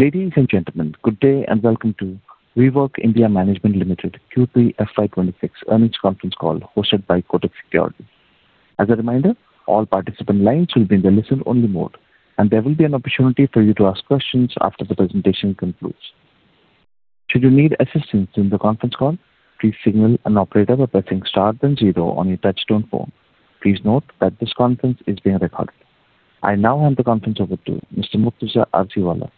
Ladies and gentlemen, good day and welcome to WeWork India Management Limited Q3 FY26 earnings conference call hosted by Kotak Securities. As a reminder, all participant lines will be in the listen-only mode, and there will be an opportunity for you to ask questions after the presentation concludes. Should you need assistance during the conference call, please signal an operator by pressing star then zero on your touch-tone phone. Please note that this conference is being recorded. I now hand the conference over to Mr. Murtuza Arsiwalla.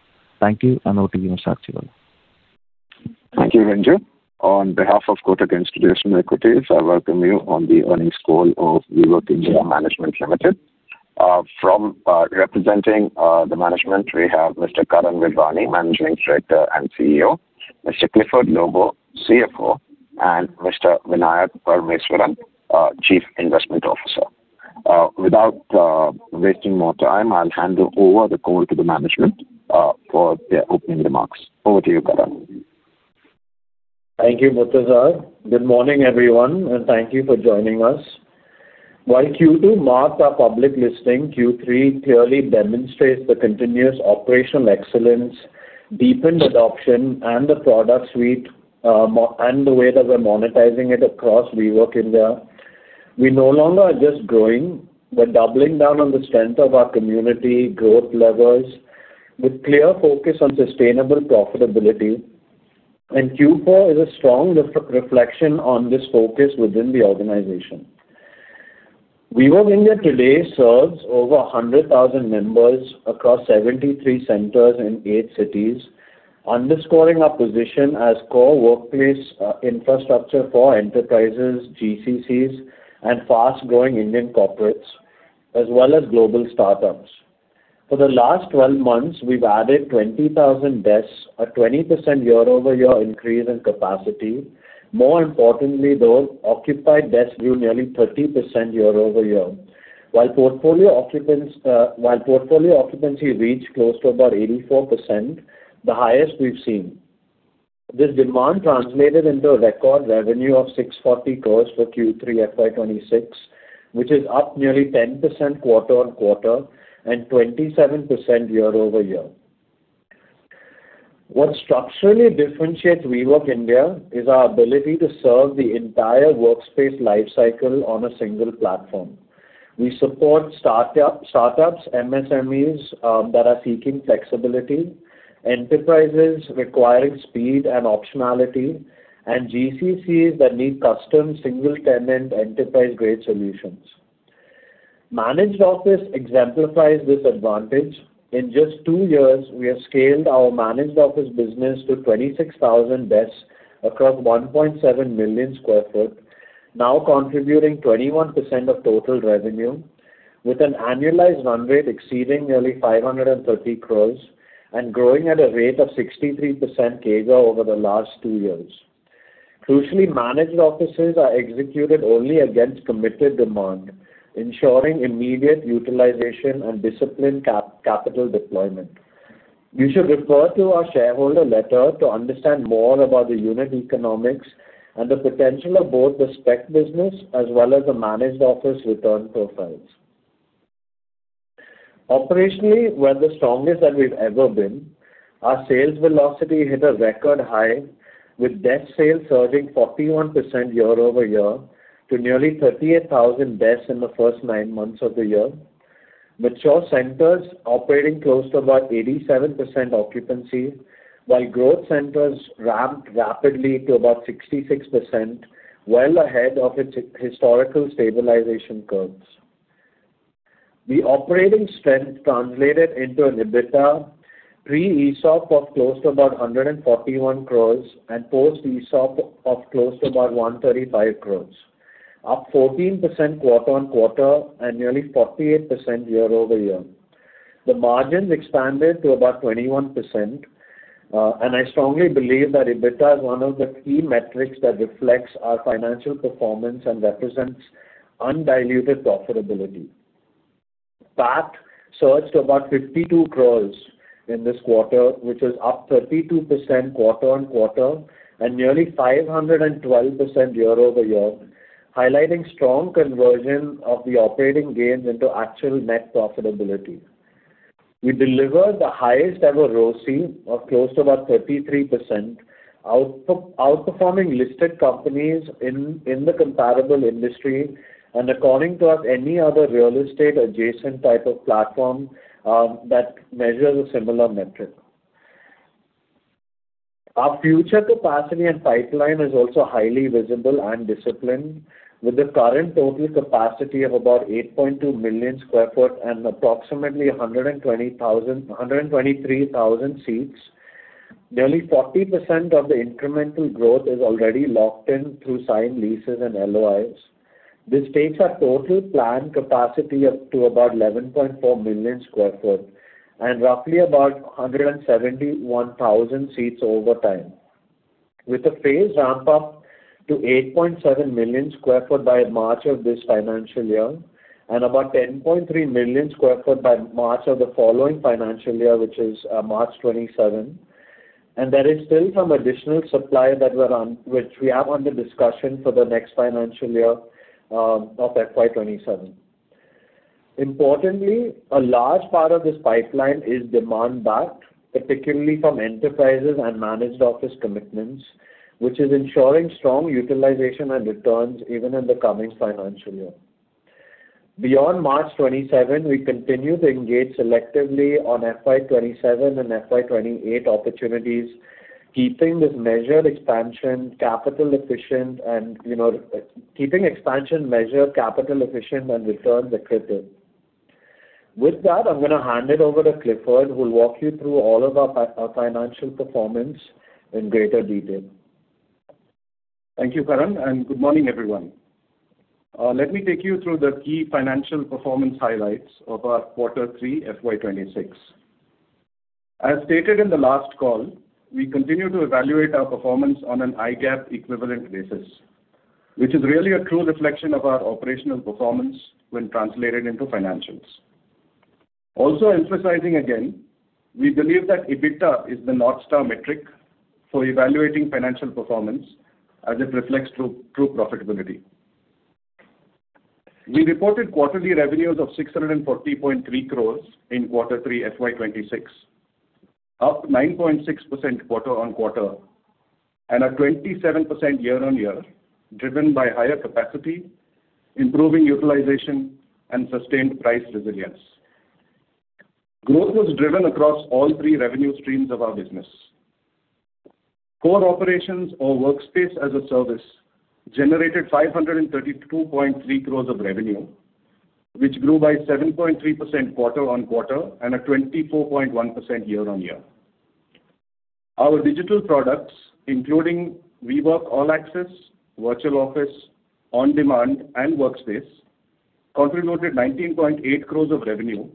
Thank you, and over to you, Mr. Arsiwalla. Thank you, Ranju. On behalf of Kotak Institutional Equities, I welcome you on the earnings call of WeWork India Management Limited. Representing the management, we have Mr. Karan Virwani, Managing Director and CEO; Mr. Clifford Lobo, CFO; and Mr. Vinayak Parameswaran, Chief Investment Officer. Without wasting more time, I'll hand over the call to the management for their opening remarks. Over to you, Karan. Thank you, Murtuza. Good morning, everyone, and thank you for joining us. While Q2 marked a public listing, Q3 clearly demonstrates the continuous operational excellence, deepened adoption, and the product suite, and the way that we're monetizing it across WeWork India. We no longer are just growing but doubling down on the strength of our community growth levers with clear focus on sustainable profitability, and Q4 is a strong reflection on this focus within the organization. WeWork India today serves over 100,000 members across 73 centers in eight cities, underscoring our position as core workplace infrastructure for enterprises, GCCs, and fast-growing Indian corporates, as well as global startups. For the last 12 months, we've added 20,000 desks, a 20% year-over-year increase in capacity. More importantly, though, occupied desks grew nearly 30% year-over-year, while portfolio occupancy reached close to about 84%, the highest we've seen. This demand translated into a record revenue of 640 crores for Q3 FY26, which is up nearly 10% quarter-on-quarter and 27% year-over-year. What structurally differentiates WeWork India is our ability to serve the entire workspace lifecycle on a single platform. We support startups, MSMEs that are seeking flexibility, enterprises requiring speed and optionality, and GCCs that need custom single-tenant enterprise-grade solutions. Managed Office exemplifies this advantage. In just two years, we have scaled our managed office business to 26,000 desks across 1.7 million sq ft, now contributing 21% of total revenue, with an annualized run rate exceeding nearly 530 crores and growing at a rate of 63% CAGR over the last two years. Crucially, managed offices are executed only against committed demand, ensuring immediate utilization and disciplined capital deployment. You should refer to our shareholder letter to understand more about the unit economics and the potential of both the spec business as well as the managed office return profiles. Operationally, we're the strongest that we've ever been. Our sales velocity hit a record high, with desk sales surging 41% year-over-year to nearly 38,000 desks in the first nine months of the year. Mature centers operating close to about 87% occupancy, while growth centers ramped rapidly to about 66%, well ahead of its historical stabilization curves. The operating strength translated into an EBITDA pre-ESOP of close to about 141 crore and post-ESOP of close to about 135 crore, up 14% quarter-over-quarter and nearly 48% year-over-year. The margins expanded to about 21%, and I strongly believe that EBITDA is one of the key metrics that reflects our financial performance and represents undiluted profitability. PAT surged to 52 crore in this quarter, which is up 32% quarter-on-quarter and nearly 512% year-over-year, highlighting strong conversion of the operating gains into actual net profitability. We delivered the highest-ever ROSI of close to about 33%, outperforming listed companies in the comparable industry and, according to us, any other real estate-adjacent type of platform that measures a similar metric. Our future capacity and pipeline is also highly visible and disciplined, with the current total capacity of about 8.2 million sq ft and approximately 123,000 seats. Nearly 40% of the incremental growth is already locked in through signed leases and LOIs. This takes our total planned capacity up to about 11.4 million sq ft and roughly about 171,000 seats over time, with a phased ramp-up to 8.7 million sq ft by March of this financial year and about 10.3 million sq ft by March of the following financial year, which is March 2027. There is still some additional supply that we have under discussion for the next financial year of FY27. Importantly, a large part of this pipeline is demand-backed, particularly from enterprises and managed office commitments, which is ensuring strong utilization and returns even in the coming financial year. Beyond March 2027, we continue to engage selectively on FY27 and FY28 opportunities, keeping this measured expansion capital-efficient and keeping expansion measured capital-efficient and returns accredited. With that, I'm going to hand it over to Clifford, who'll walk you through all of our financial performance in greater detail. Thank you, Karan, and good morning, everyone. Let me take you through the key financial performance highlights of our Q3 FY26. As stated in the last call, we continue to evaluate our performance on an I-GAAP equivalent basis, which is really a true reflection of our operational performance when translated into financials. Also emphasizing again, we believe that EBITDA is the North Star metric for evaluating financial performance as it reflects true profitability. We reported quarterly revenues of 640.3 crores in Q3 FY26, up 9.6% quarter-on-quarter and 27% year-on-year, driven by higher capacity, improving utilization, and sustained price resilience. Growth was driven across all three revenue streams of our business. Core operations or workspace as a service generated 532.3 crores of revenue, which grew by 7.3% quarter-on-quarter and 24.1% year-on-year. Our digital products, including WeWork All Access, WeWork Virtual Office, WeWork On Demand, and WeWork Workplace, contributed 19.8 crores of revenue.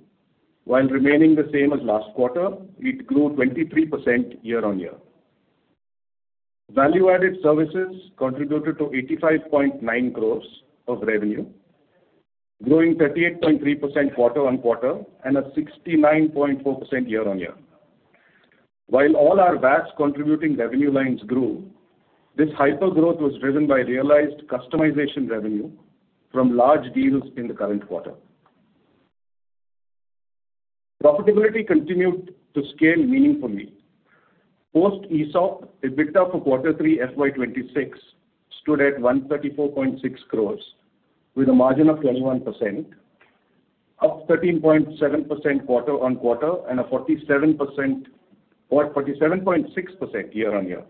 While remaining the same as last quarter, it grew 23% year-on-year. Value-added services contributed to 85.9 crore of revenue, growing 38.3% quarter-on-quarter and 69.4% year-on-year. While all our VAS contributing revenue lines grew, this hypergrowth was driven by realized customization revenue from large deals in the current quarter. Profitability continued to scale meaningfully. Post-ESOP, EBITDA for Q3 FY26 stood at 134.6 crore, with a margin of 21%, up 13.7% quarter-on-quarter and 47.6% year-on-year.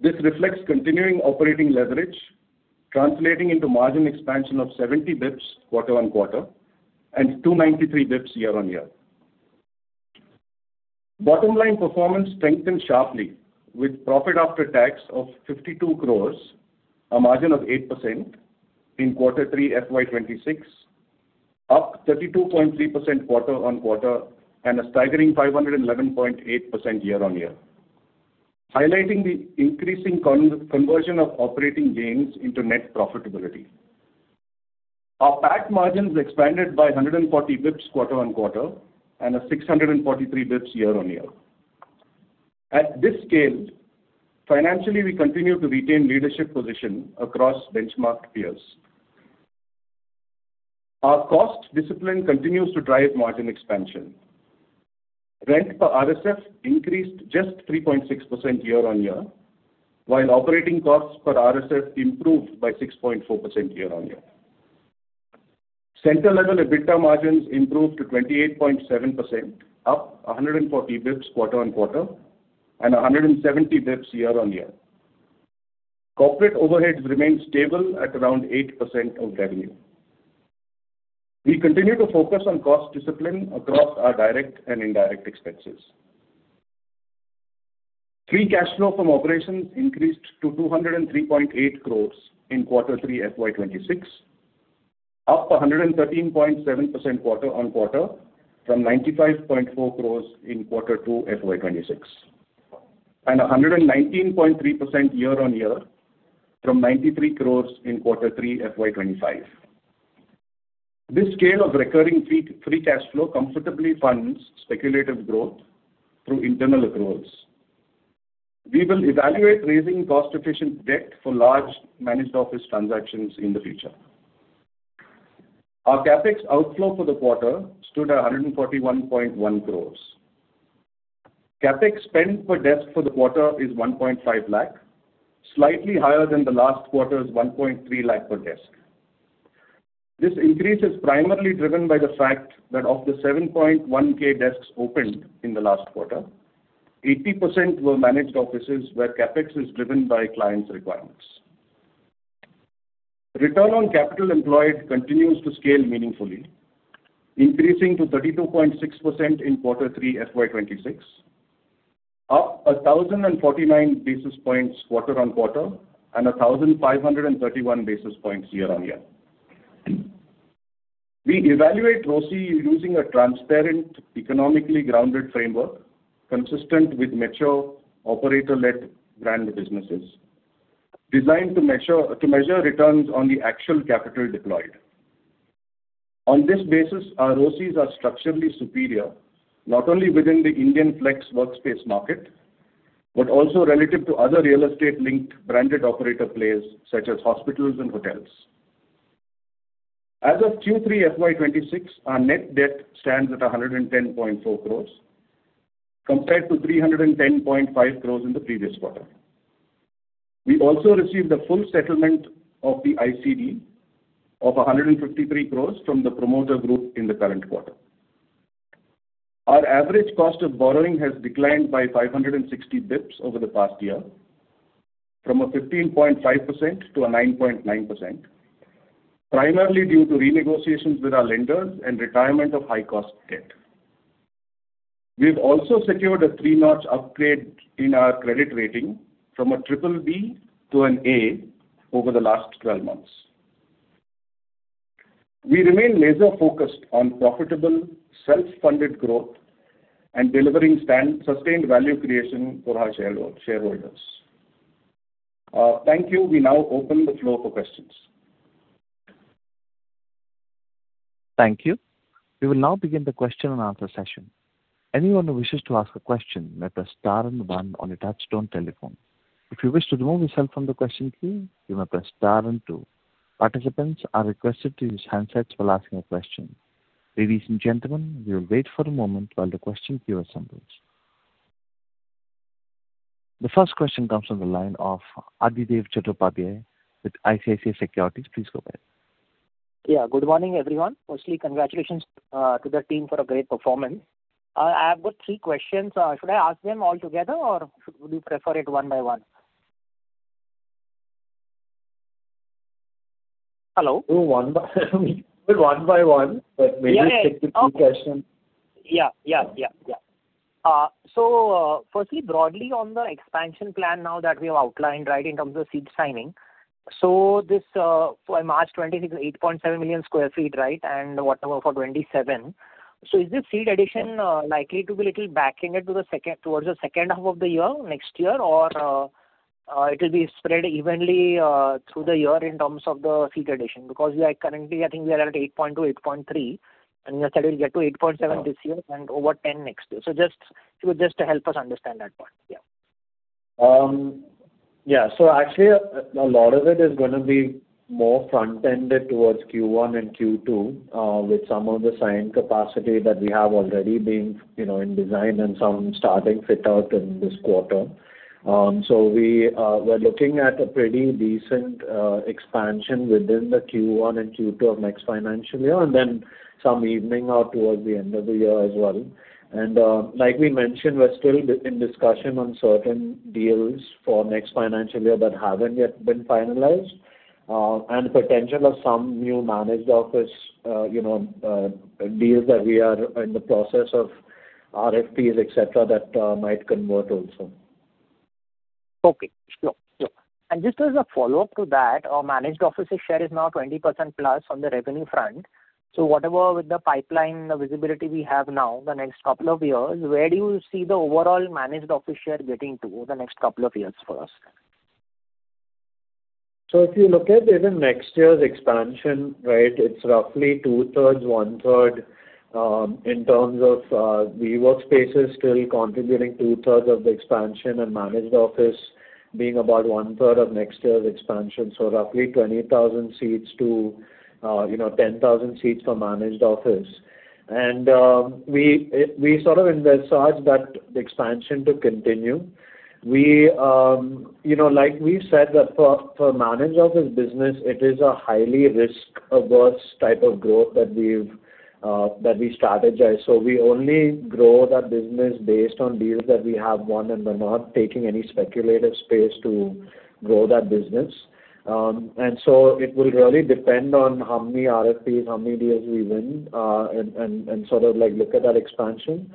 This reflects continuing operating leverage, translating into margin expansion of 70 basis points quarter-on-quarter and 293 basis points year-on-year. Bottom-line performance strengthened sharply, with profit after tax of 52 crore, a margin of 8%, in Q3 FY26, up 32.3% quarter-on-quarter, and a staggering 511.8% year-on-year, highlighting the increasing conversion of operating gains into net profitability. Our PAT margins expanded by 140 basis points quarter-on-quarter and 643 basis points year-on-year. At this scale, financially, we continue to retain leadership position across benchmark peers. Our cost discipline continues to drive margin expansion. Rent per RSF increased just 3.6% year-on-year, while operating costs per RSF improved by 6.4% year-on-year. Center-level EBITDA margins improved to 28.7%, up 140 basis points quarter-on-quarter and 170 basis points year-on-year. Corporate overheads remained stable at around 8% of revenue. We continue to focus on cost discipline across our direct and indirect expenses. Free cash flow from operations increased to 203.8 crores in Q3 FY26, up 113.7% quarter-on-quarter from INR 95.4 crores in Q2 FY26, and 119.3% year-on-year from INR 93 crores in Q3 FY25. This scale of recurring free cash flow comfortably funds speculative growth through internal accruals. We will evaluate raising cost-efficient debt for large managed office transactions in the future. Our CAPEX outflow for the quarter stood at 141.1 crores. CAPEX spent per desk for the quarter is 1.5 lakh, slightly higher than the last quarter's 1.3 lakh per desk. This increase is primarily driven by the fact that of the 7,100 desks opened in the last quarter, 80% were managed offices where CAPEX is driven by clients' requirements. Return on capital employed continues to scale meaningfully, increasing to 32.6% in Q3 FY26, up 1,049 basis points quarter-on-quarter and 1,531 basis points year-on-year. We evaluate ROSI using a transparent, economically grounded framework consistent with mature operator-led branded businesses, designed to measure returns on the actual capital deployed. On this basis, our ROSIs are structurally superior, not only within the Indian flex workspace market but also relative to other real estate-linked branded operator players such as hospitals and hotels. As of Q3 FY26, our net debt stands at 110.4 crores, compared to 310.5 crores in the previous quarter. We also received a full settlement of the ICD of 153 crore from the promoter group in the current quarter. Our average cost of borrowing has declined by 560 basis points over the past year, from 15.5%-9.9%, primarily due to renegotiations with our lenders and retirement of high-cost debt. We've also secured a three-notch upgrade in our credit rating from a BBB to an A over the last 12 months. We remain laser-focused on profitable self-funded growth and delivering sustained value creation for our shareholders. Thank you. We now open the floor for questions. Thank you. We will now begin the question-and-answer session. Anyone who wishes to ask a question may press star and one on the touch-tone telephone. If you wish to remove yourself from the question queue, you may press star and two. Participants are requested to use handsets while asking a question. Ladies and gentlemen, we will wait for a moment while the question queue assembles. The first question comes from the line of Adhidev Chattopadhyay with ICICI Securities. Please go ahead. Yeah. Good morning, everyone. Firstly, congratulations to the team for a great performance. I have got three questions. Should I ask them all together, or would you prefer it one by one? Hello? Do one by one. But maybe take the two questions. Yeah. Yeah. Yeah. Yeah. So firstly, broadly on the expansion plan now that we have outlined, right, in terms of seat signing. So this for March 2026 is 8.7 million sq ft, right, and whatever for 2027. So is this seat addition likely to be a little back-loaded towards the second half of the year next year, or it will be spread evenly through the year in terms of the seat addition? Because currently, I think we are at 8.2, 8.3, and you said it will get to 8.7 this year and over 10 next year. So just to help us understand that part, yeah. Yeah. So actually, a lot of it is going to be more front-ended towards Q1 and Q2, with some of the signed capacity that we have already being in design and some starting fit out in this quarter. So we're looking at a pretty decent expansion within the Q1 and Q2 of next financial year and then some evening out towards the end of the year as well. And like we mentioned, we're still in discussion on certain deals for next financial year that haven't yet been finalized and the potential of some new managed office deals that we are in the process of RFPs, etc., that might convert also. Okay. Sure. Sure. Just as a follow-up to that, our managed office share is now 20%+ on the revenue front. So whatever with the pipeline, the visibility we have now, the next couple of years, where do you see the overall managed office share getting to over the next couple of years for us? So if you look at even next year's expansion, right, it's roughly two-thirds, one-third in terms of WeWork spaces still contributing two-thirds of the expansion and managed office being about one-third of next year's expansion. So roughly 20,000-10,000 seats for managed office. And we sort of in the surge that the expansion to continue. Like we've said, for managed office business, it is a highly risk-averse type of growth that we strategize. So we only grow that business based on deals that we have won and we're not taking any speculative space to grow that business. And so it will really depend on how many RFPs, how many deals we win and sort of look at that expansion.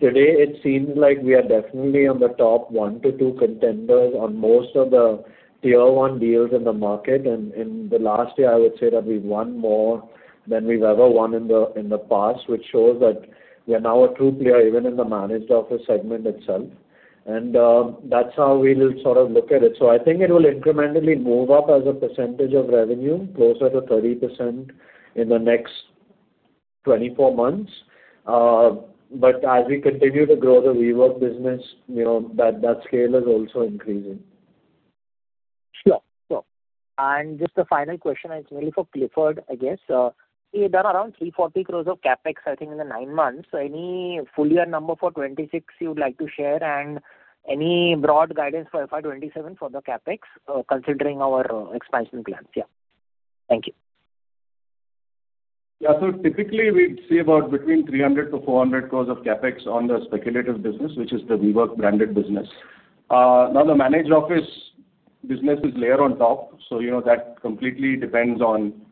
Today, it seems like we are definitely on the top 1-2 contenders on most of the tier-one deals in the market. In the last year, I would say that we've won more than we've ever won in the past, which shows that we are now a true player even in the managed office segment itself. That's how we'll sort of look at it. I think it will incrementally move up as a percentage of revenue, closer to 30% in the next 24 months. As we continue to grow the WeWork business, that scale is also increasing. Sure. Sure. And just a final question, it's mainly for Clifford, I guess. There are around 340 crore of CAPEX, I think, in the nine months. Any full year number for 2026 you'd like to share and any broad guidance for FY27 for the CAPEX, considering our expansion plans? Yeah. Thank you. Yeah. So typically, we'd see about between 300 crore-400 crore of CAPEX on the speculative business, which is the WeWork branded business. Now, the managed office business is layered on top. So that completely depends on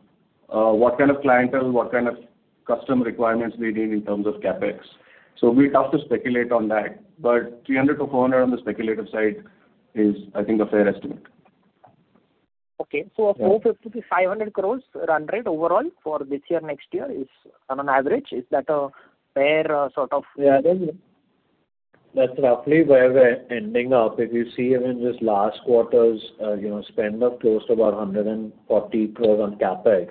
what kind of clientele, what kind of customer requirements we need in terms of CAPEX. So it will be tough to speculate on that. But 300 crore-400 crore on the speculative side is, I think, a fair estimate. Okay. So a 450-500 crore run rate overall for this year, next year is on average. Is that a fair sort of? Yeah. That's roughly where we're ending up. If you see even just last quarter's spend of close to about 140 crore on CAPEX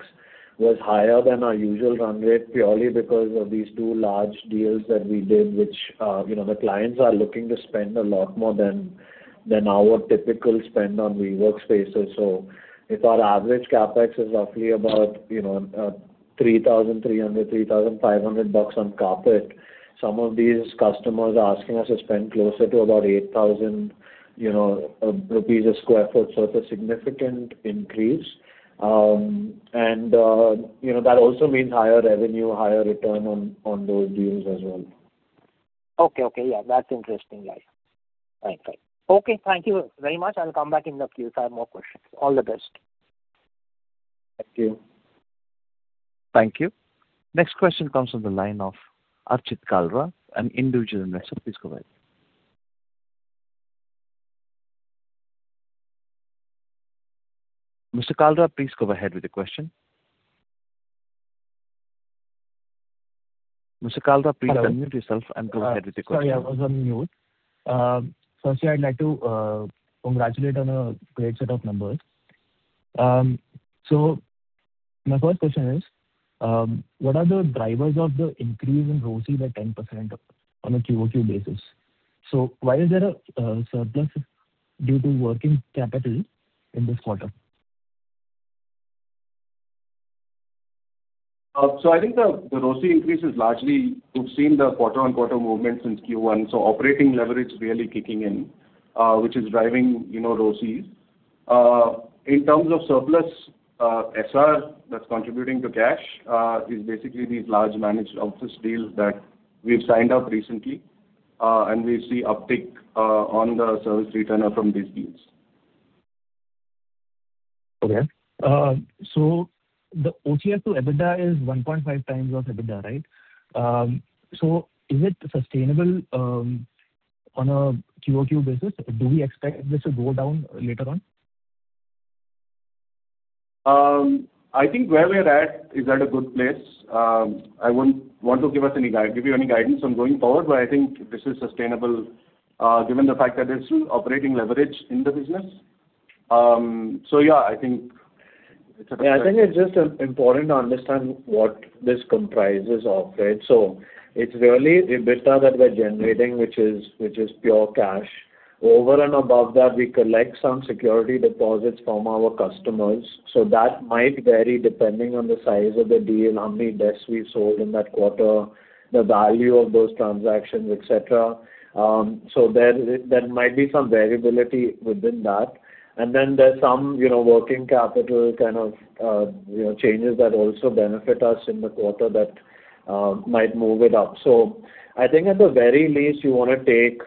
was higher than our usual run rate purely because of these two large deals that we did, which the clients are looking to spend a lot more than our typical spend on WeWork spaces. So if our average CAPEX is roughly about 3,300-3,500 bucks on carpet, some of these customers are asking us to spend closer to about 8,000 a sq ft so it's a significant increase. And that also means higher revenue, higher return on those deals as well. Okay. Okay. Yeah. That's interesting, guys. Thanks. Okay. Thank you very much. I'll come back in the queue if I have more questions. All the best. Thank you. Thank you. Next question comes from the line of Archit Kalra, an individual investor. Please go ahead. Mr. Kalra, please go ahead with the question. Mr. Kalra, please unmute yourself and go ahead with the question. Sorry. I was on mute. Firstly, I'd like to congratulate on a great set of numbers. So my first question is, what are the drivers of the increase in ROSI by 10% on a QOQ basis? So why is there a surplus due to working capital in this quarter? So, I think the ROSI increase is largely we've seen the quarter-on-quarter movement since Q1. So operating leverage really kicking in, which is driving ROSIs. In terms of surplus SR, that's contributing to cash is basically these large managed office deals that we've signed up recently, and we see uptick on the service return from these deals. Okay. So the OCF to EBITDA is 1.5x of EBITDA, right? So is it sustainable on a QOQ basis? Do we expect this to go down later on? I think where we're at is at a good place. I won't want to give you any guidance on going forward, but I think this is sustainable given the fact that there's still operating leverage in the business. So yeah, I think it's a good. Yeah. I think it's just important to understand what this comprises of, right? So it's really EBITDA that we're generating, which is pure cash. Over and above that, we collect some security deposits from our customers. So that might vary depending on the size of the deal, how many desks we've sold in that quarter, the value of those transactions, etc. So there might be some variability within that. And then there's some working capital kind of changes that also benefit us in the quarter that might move it up. So I think at the very least, you want to take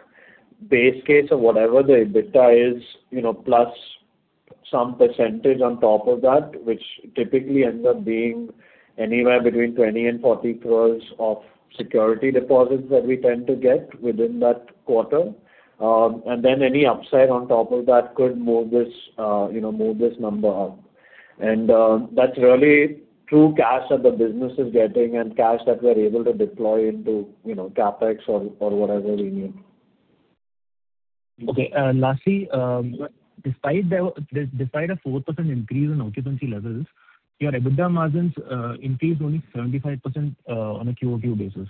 base case of whatever the EBITDA is plus some percentage on top of that, which typically ends up being anywhere between 20 crore-40 crore of security deposits that we tend to get within that quarter. And then any upside on top of that could move this number up. And that's really true cash that the business is getting and cash that we're able to deploy into CAPEX or whatever we need. Okay. Lastly, despite a 4% increase in occupancy levels, your EBITDA margins increased only 75% on a QOQ basis.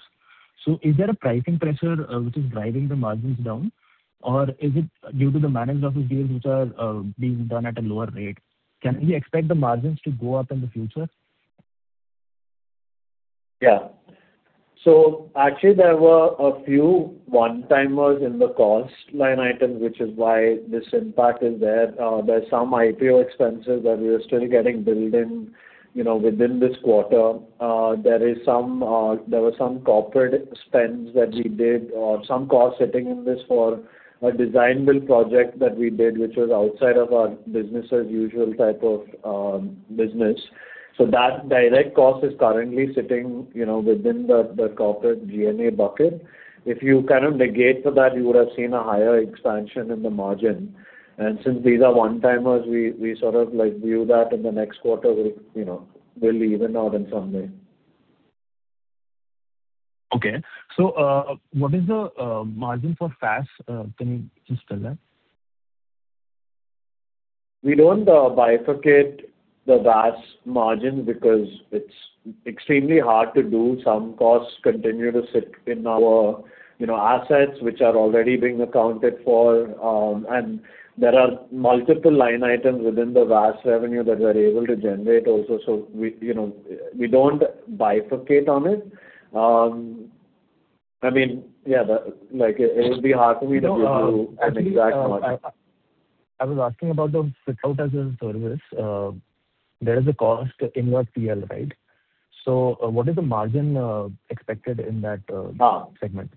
So is there a pricing pressure which is driving the margins down, or is it due to the managed office deals which are being done at a lower rate? Can we expect the margins to go up in the future? Yeah. So actually, there were a few one-timers in the cost line item, which is why this impact is there. There are some IPO expenses that we are still getting built in within this quarter. There were some corporate spends that we did or some costs sitting in this for a design build project that we did, which was outside of our business's usual type of business. So that direct cost is currently sitting within the corporate G&A bucket. If you kind of negate for that, you would have seen a higher expansion in the margin. And since these are one-timers, we sort of view that in the next quarter will even out in some way. Okay. What is the margin for WaaS? Can you just tell that? We don't bifurcate the VAS margin because it's extremely hard to do. Some costs continue to sit in our assets, which are already being accounted for. There are multiple line items within the VAS revenue that we're able to generate also. We don't bifurcate on it. I mean, yeah, it would be hard for me to give you an exact margin. I was asking about those Workspace as a Service. There is a cost in your P&L, right? So what is the margin expected in that segment?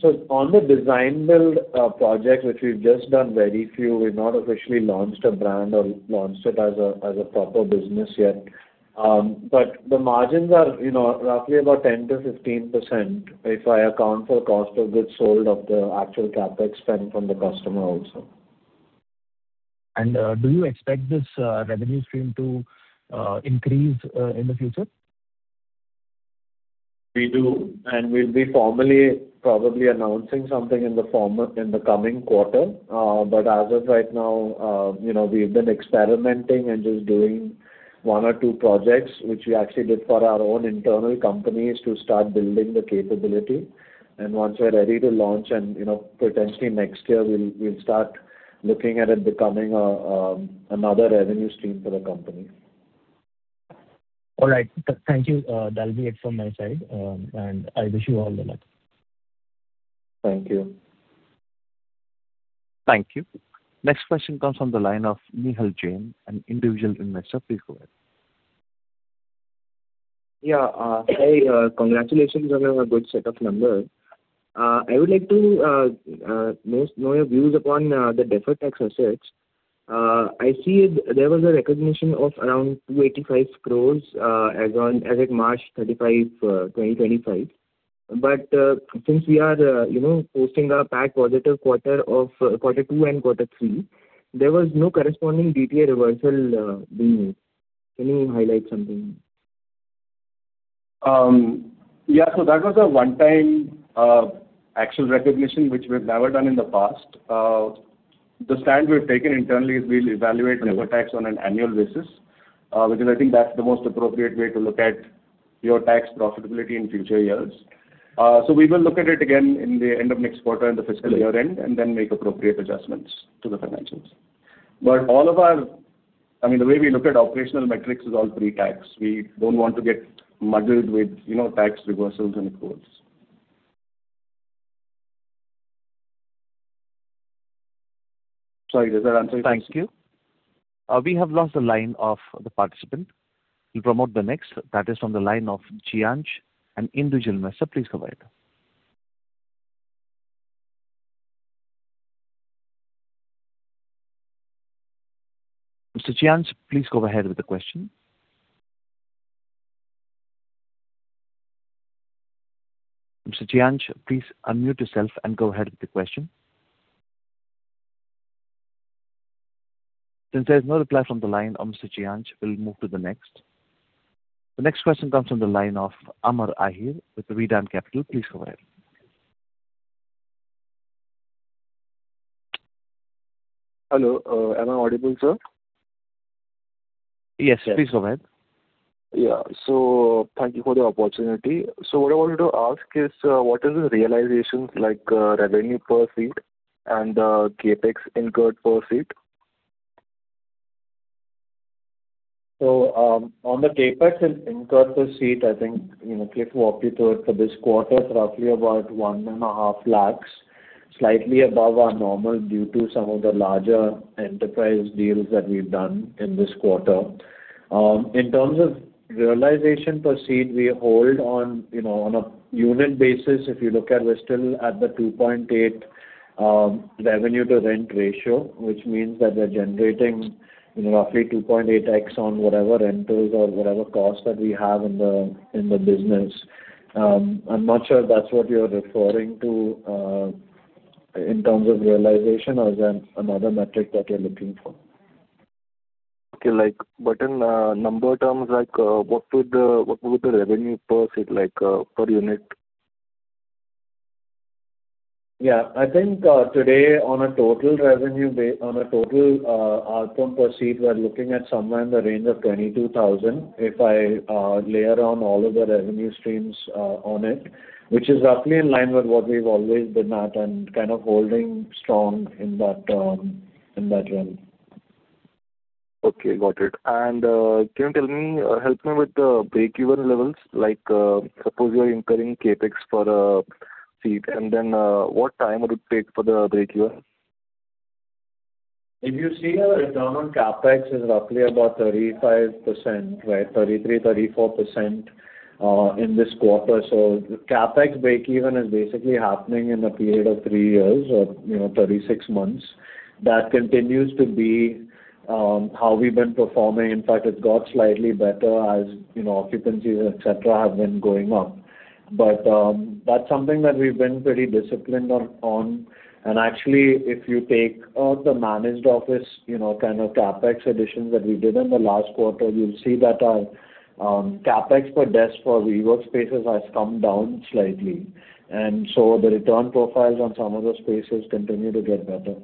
So on the design build project, which we've just done very few, we've not officially launched a brand or launched it as a proper business yet. But the margins are roughly about 10%-15% if I account for cost of goods sold of the actual CAPEX spent from the customer also. Do you expect this revenue stream to increase in the future? We do. And we'll be formally probably announcing something in the coming quarter. But as of right now, we've been experimenting and just doing one or two projects, which we actually did for our own internal companies to start building the capability. And once we're ready to launch and potentially next year, we'll start looking at it becoming another revenue stream for the company. All right. Thank you. That'll be it from my side. I wish you all the luck. Thank you. Thank you. Next question comes from the line of Nihal Jain, an individual investor. Please go ahead. Yeah. Hey, congratulations on a good set of numbers. I would like to know your views upon the deferred tax assets. I see there was a recognition of around 285 crore as of March 31, 2025. But since we are posting a PAT positive quarter of quarter two and quarter three, there was no corresponding DTA reversal being made. Can you highlight something? Yeah. So that was a one-time actual recognition, which we've never done in the past. The stand we've taken internally is we'll evaluate deferred tax on an annual basis, because I think that's the most appropriate way to look at your tax profitability in future years. So we will look at it again in the end of next quarter and the fiscal year end and then make appropriate adjustments to the financials. But all of our—I mean, the way we look at operational metrics is all pre-tax. We don't want to get muddled with tax reversals and accruals. Sorry. Does that answer your question? Thank you. We have lost the line of the participant. We'll promote the next. That is from the line of Chianch, an individual investor. Please go ahead. Mr. Chianch, please go ahead with the question. Mr. Chianch, please unmute yourself and go ahead with the question. Since there is no reply from the line of Mr. Chianch, we'll move to the next. The next question comes from the line of Amar Ahir with the Redan Capital. Please go ahead. Hello. Am I audible, sir? Yes. Please go ahead. Yeah. Thank you for the opportunity. What I wanted to ask is, what is the realization like revenue per seat and the CAPEX incurred per seat? So on the CAPEX incurred per seat, I think, if you walk me through it for this quarter, it's roughly about 1.5 lakh, slightly above our normal due to some of the larger enterprise deals that we've done in this quarter. In terms of realization per seat, we hold on a unit basis. If you look at, we're still at the 2.8 revenue-to-rent ratio, which means that we're generating roughly 2.8x on whatever rentals or whatever costs that we have in the business. I'm not sure if that's what you're referring to in terms of realization or is that another metric that you're looking for? Okay. But in number terms, what would the revenue per seat be like per unit? Yeah. I think today, on a total revenue base, on a total outcome per seat, we're looking at somewhere in the range of 22,000 if I layer on all of the revenue streams on it, which is roughly in line with what we've always been at and kind of holding strong in that realm. Okay. Got it. Can you help me with the break-even levels? Suppose you're incurring CAPEX for a seat, and then what time would it take for the break-even? If you see a return on CAPEX, it's roughly about 35%, right? 33%-34% in this quarter. So CAPEX break-even is basically happening in a period of 3 years or 36 months. That continues to be how we've been performing. In fact, it's got slightly better as occupancies, etc., have been going up. But that's something that we've been pretty disciplined on. And actually, if you take the managed office kind of CAPEX additions that we did in the last quarter, you'll see that our CAPEX per desk for WeWork spaces has come down slightly. And so the return profiles on some of those spaces continue to get better.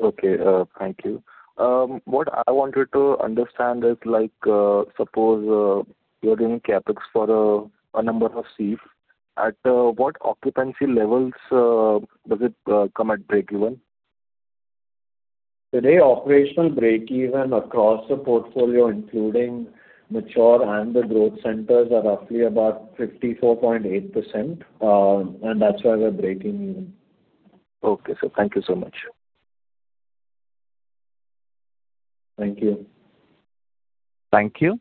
Okay. Thank you. What I wanted to understand is, suppose you're doing CAPEX for a number of seats, at what occupancy levels does it come at break-even? Today, operational break-even across the portfolio, including mature and the growth centers, are roughly about 54.8%. That's why we're breaking even. Okay. Thank you so much. Thank you. Thank you.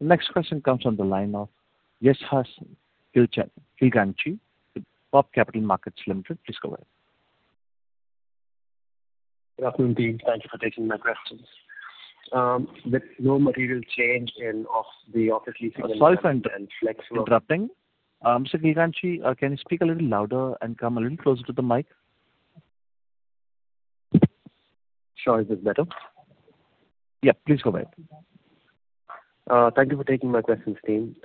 Next question comes from the line of Yashas Glignashi with BOB Capital Markets Limited. Please go ahead. Good afternoon, team. Thank you for taking my questions. With no material change in the office lease. Sorry for interrupting. Mr. Gilganshi, can you speak a little louder and come a little closer to the mic? Sure. Is this better? Yeah. Please go ahead. Thank you for taking my questions, team.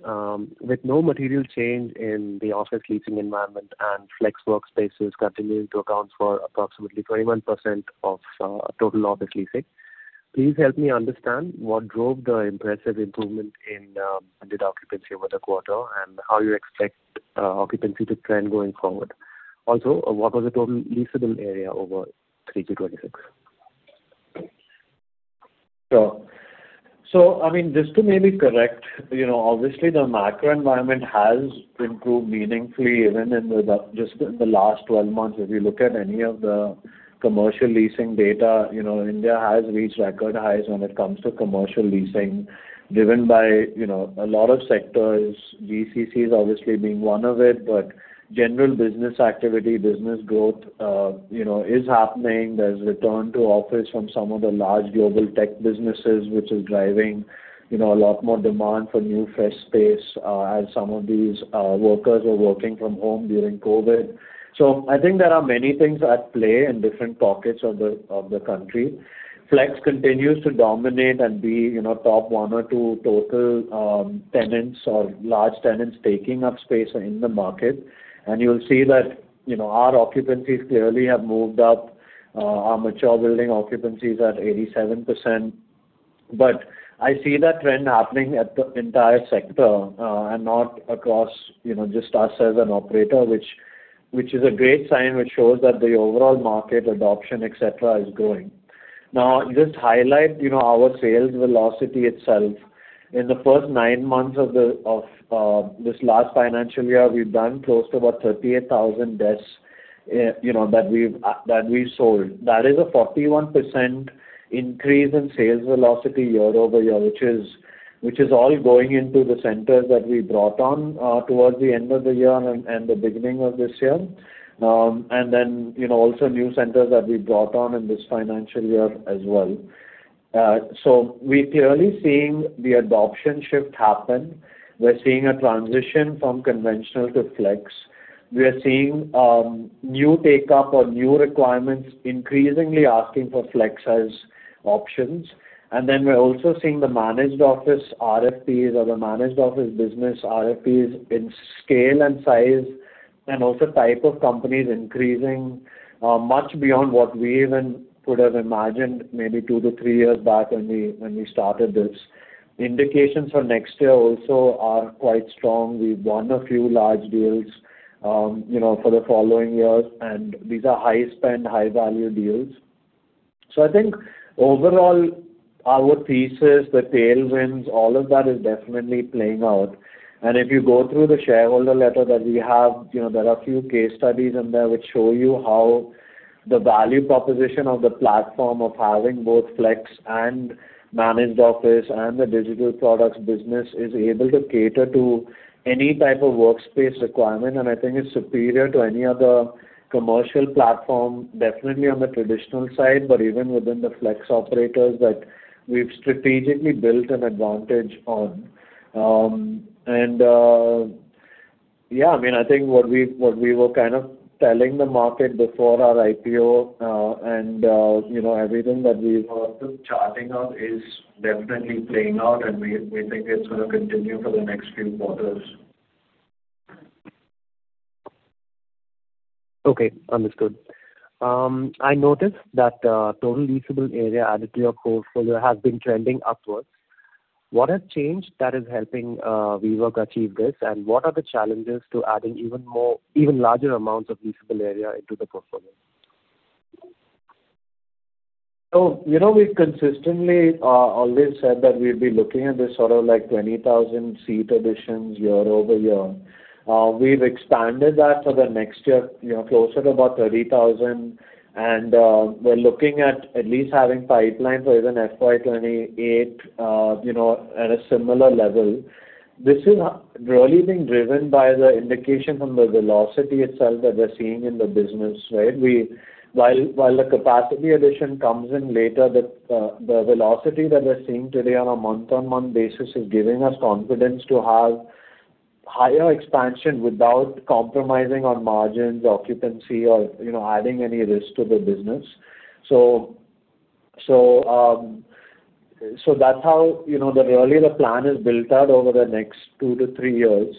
With no material change in the office leasing environment and flex work spaces continuing to account for approximately 21% of total office leasing, please help me understand what drove the impressive improvement in bid occupancy over the quarter and how you expect occupancy to trend going forward. Also, what was the total leasable area over 3K26? Sure. So I mean, this too may be correct. Obviously, the macro environment has improved meaningfully even in just the last 12 months. If you look at any of the commercial leasing data, India has reached record highs when it comes to commercial leasing driven by a lot of sectors, GCCs obviously being one of it. But general business activity, business growth is happening. There's return to office from some of the large global tech businesses, which is driving a lot more demand for new fresh space as some of these workers were working from home during COVID. So I think there are many things at play in different pockets of the country. Flex continues to dominate and be top one or two total tenants or large tenants taking up space in the market. And you'll see that our occupancies clearly have moved up. Our mature building occupancies are at 87%. But I see that trend happening at the entire sector and not across just us as an operator, which is a great sign which shows that the overall market adoption, etc., is growing. Now, just highlight our sales velocity itself. In the first nine months of this last financial year, we've done close to about 38,000 desks that we've sold. That is a 41% increase in sales velocity year-over-year, which is all going into the centers that we brought on towards the end of the year and the beginning of this year. And then also new centers that we brought on in this financial year as well. So we're clearly seeing the adoption shift happen. We're seeing a transition from conventional to flex. We are seeing new take-up or new requirements increasingly asking for flex as options. Then we're also seeing the managed office RFPs or the managed office business RFPs in scale and size and also type of companies increasing much beyond what we even could have imagined maybe 2 to 3 years back when we started this. Indications for next year also are quite strong. We've won a few large deals for the following years. These are high-spend, high-value deals. So I think overall, our thesis, the tailwinds, all of that is definitely playing out. If you go through the shareholder letter that we have, there are a few case studies in there which show you how the value proposition of the platform of having both flex and managed office and the digital products business is able to cater to any type of workspace requirement. I think it's superior to any other commercial platform, definitely on the traditional side, but even within the flex operators that we've strategically built an advantage on. Yeah, I mean, I think what we were kind of telling the market before our IPO and everything that we were charting out is definitely playing out, and we think it's going to continue for the next few quarters. Okay. Understood. I noticed that total leasable area added to your portfolio has been trending upwards. What has changed that is helping WeWork achieve this? And what are the challenges to adding even larger amounts of leasable area into the portfolio? So we've consistently always said that we'd be looking at this sort of like 20,000 seat additions year-over-year. We've expanded that for the next year closer to about 30,000. And we're looking at at least having pipeline for even FY2028 at a similar level. This is really being driven by the indication from the velocity itself that we're seeing in the business, right? While the capacity addition comes in later, the velocity that we're seeing today on a month-on-month basis is giving us confidence to have higher expansion without compromising on margins, occupancy, or adding any risk to the business. So that's how really the plan is built out over the next two to three years.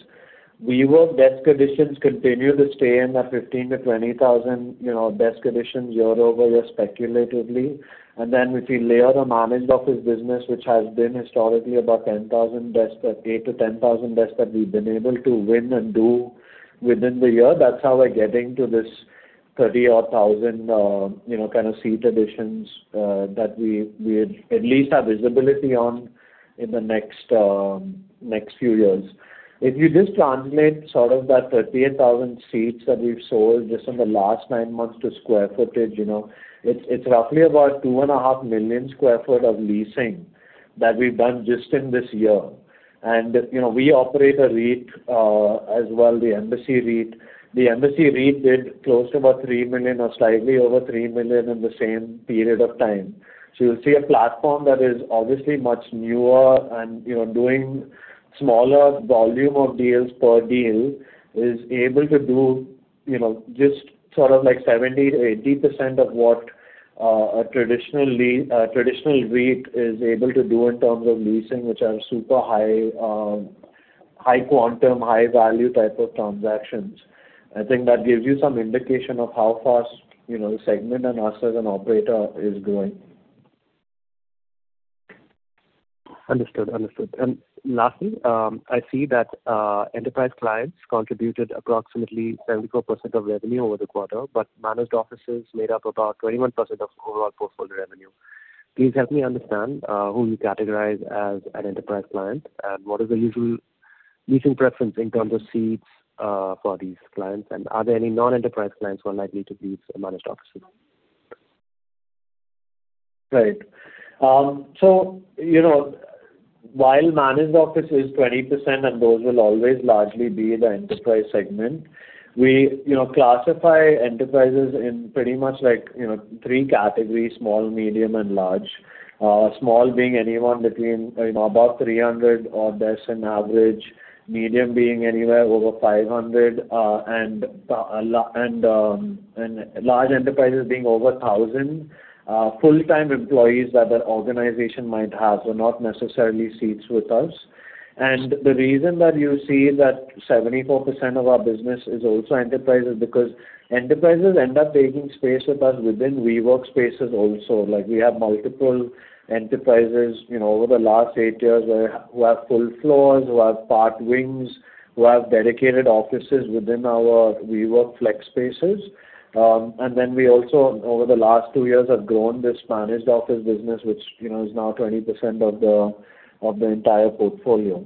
WeWork desk additions continue to stay in that 15,000-20,000 desk additions year-over-year, speculatively. Then if you layer the managed office business, which has been historically about 8,000-10,000 desks that we've been able to win and do within the year, that's how we're getting to this 30,000-odd kind of seat additions that we at least have visibility on in the next few years. If you just translate sort of that 38,000 seats that we've sold just in the last nine months to square footage, it's roughly about 2.5 million sq ft of leasing that we've done just in this year. We operate a REIT as well, the Embassy REIT. The Embassy REIT did close to about 3 million or slightly over 3 million in the same period of time. So you'll see a platform that is obviously much newer and doing smaller volume of deals per deal is able to do just sort of like 70%-80% of what a traditional REIT is able to do in terms of leasing, which are super high-quantum, high-value type of transactions. I think that gives you some indication of how fast the segment and us as an operator is growing. Understood. Understood. And lastly, I see that enterprise clients contributed approximately 74% of revenue over the quarter, but managed offices made up about 21% of overall portfolio revenue. Please help me understand who you categorize as an enterprise client and what is the usual leasing preference in terms of seats for these clients. And are there any non-enterprise clients who are likely to lease managed offices? Right. So while managed office is 20%, and those will always largely be the enterprise segment, we classify enterprises in pretty much like 3 categories: small, medium, and large. Small being anyone between about 300 or less in average, medium being anywhere over 500, and large enterprises being over 1,000. Full-time employees that an organization might have are not necessarily seats with us. And the reason that you see that 74% of our business is also enterprises is because enterprises end up taking space with us within WeWork spaces also. We have multiple enterprises over the last 8 years who have full floors, who have part wings, who have dedicated offices within our WeWork flex spaces. And then we also, over the last 2 years, have grown this managed office business, which is now 20% of the entire portfolio.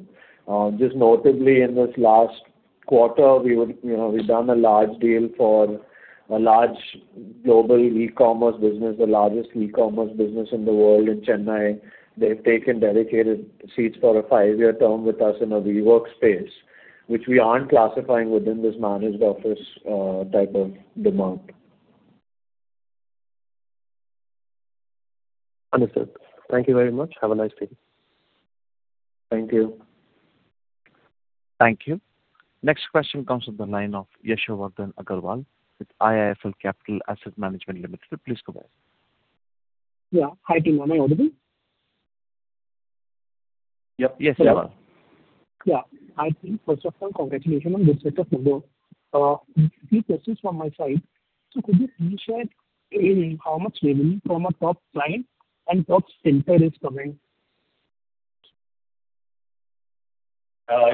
Just notably, in this last quarter, we've done a large deal for a large global e-commerce business, the largest e-commerce business in the world in Chennai. They've taken dedicated seats for a 5-year term with us in a WeWork space, which we aren't classifying within this managed office type of demand. Understood. Thank you very much. Have a nice day. Thank you. Thank you. Next question comes from the line of Yashaswardhan Aggarwal with IIFL Capital Asset Management Limited. Please go ahead. Yeah. Hi, team. Am I audible? Yep. Yes, you are. Yeah. Hi, team. First of all, congratulations on this set of numbers. A few questions from my side. So could you please share how much revenue from a top client and top center is coming?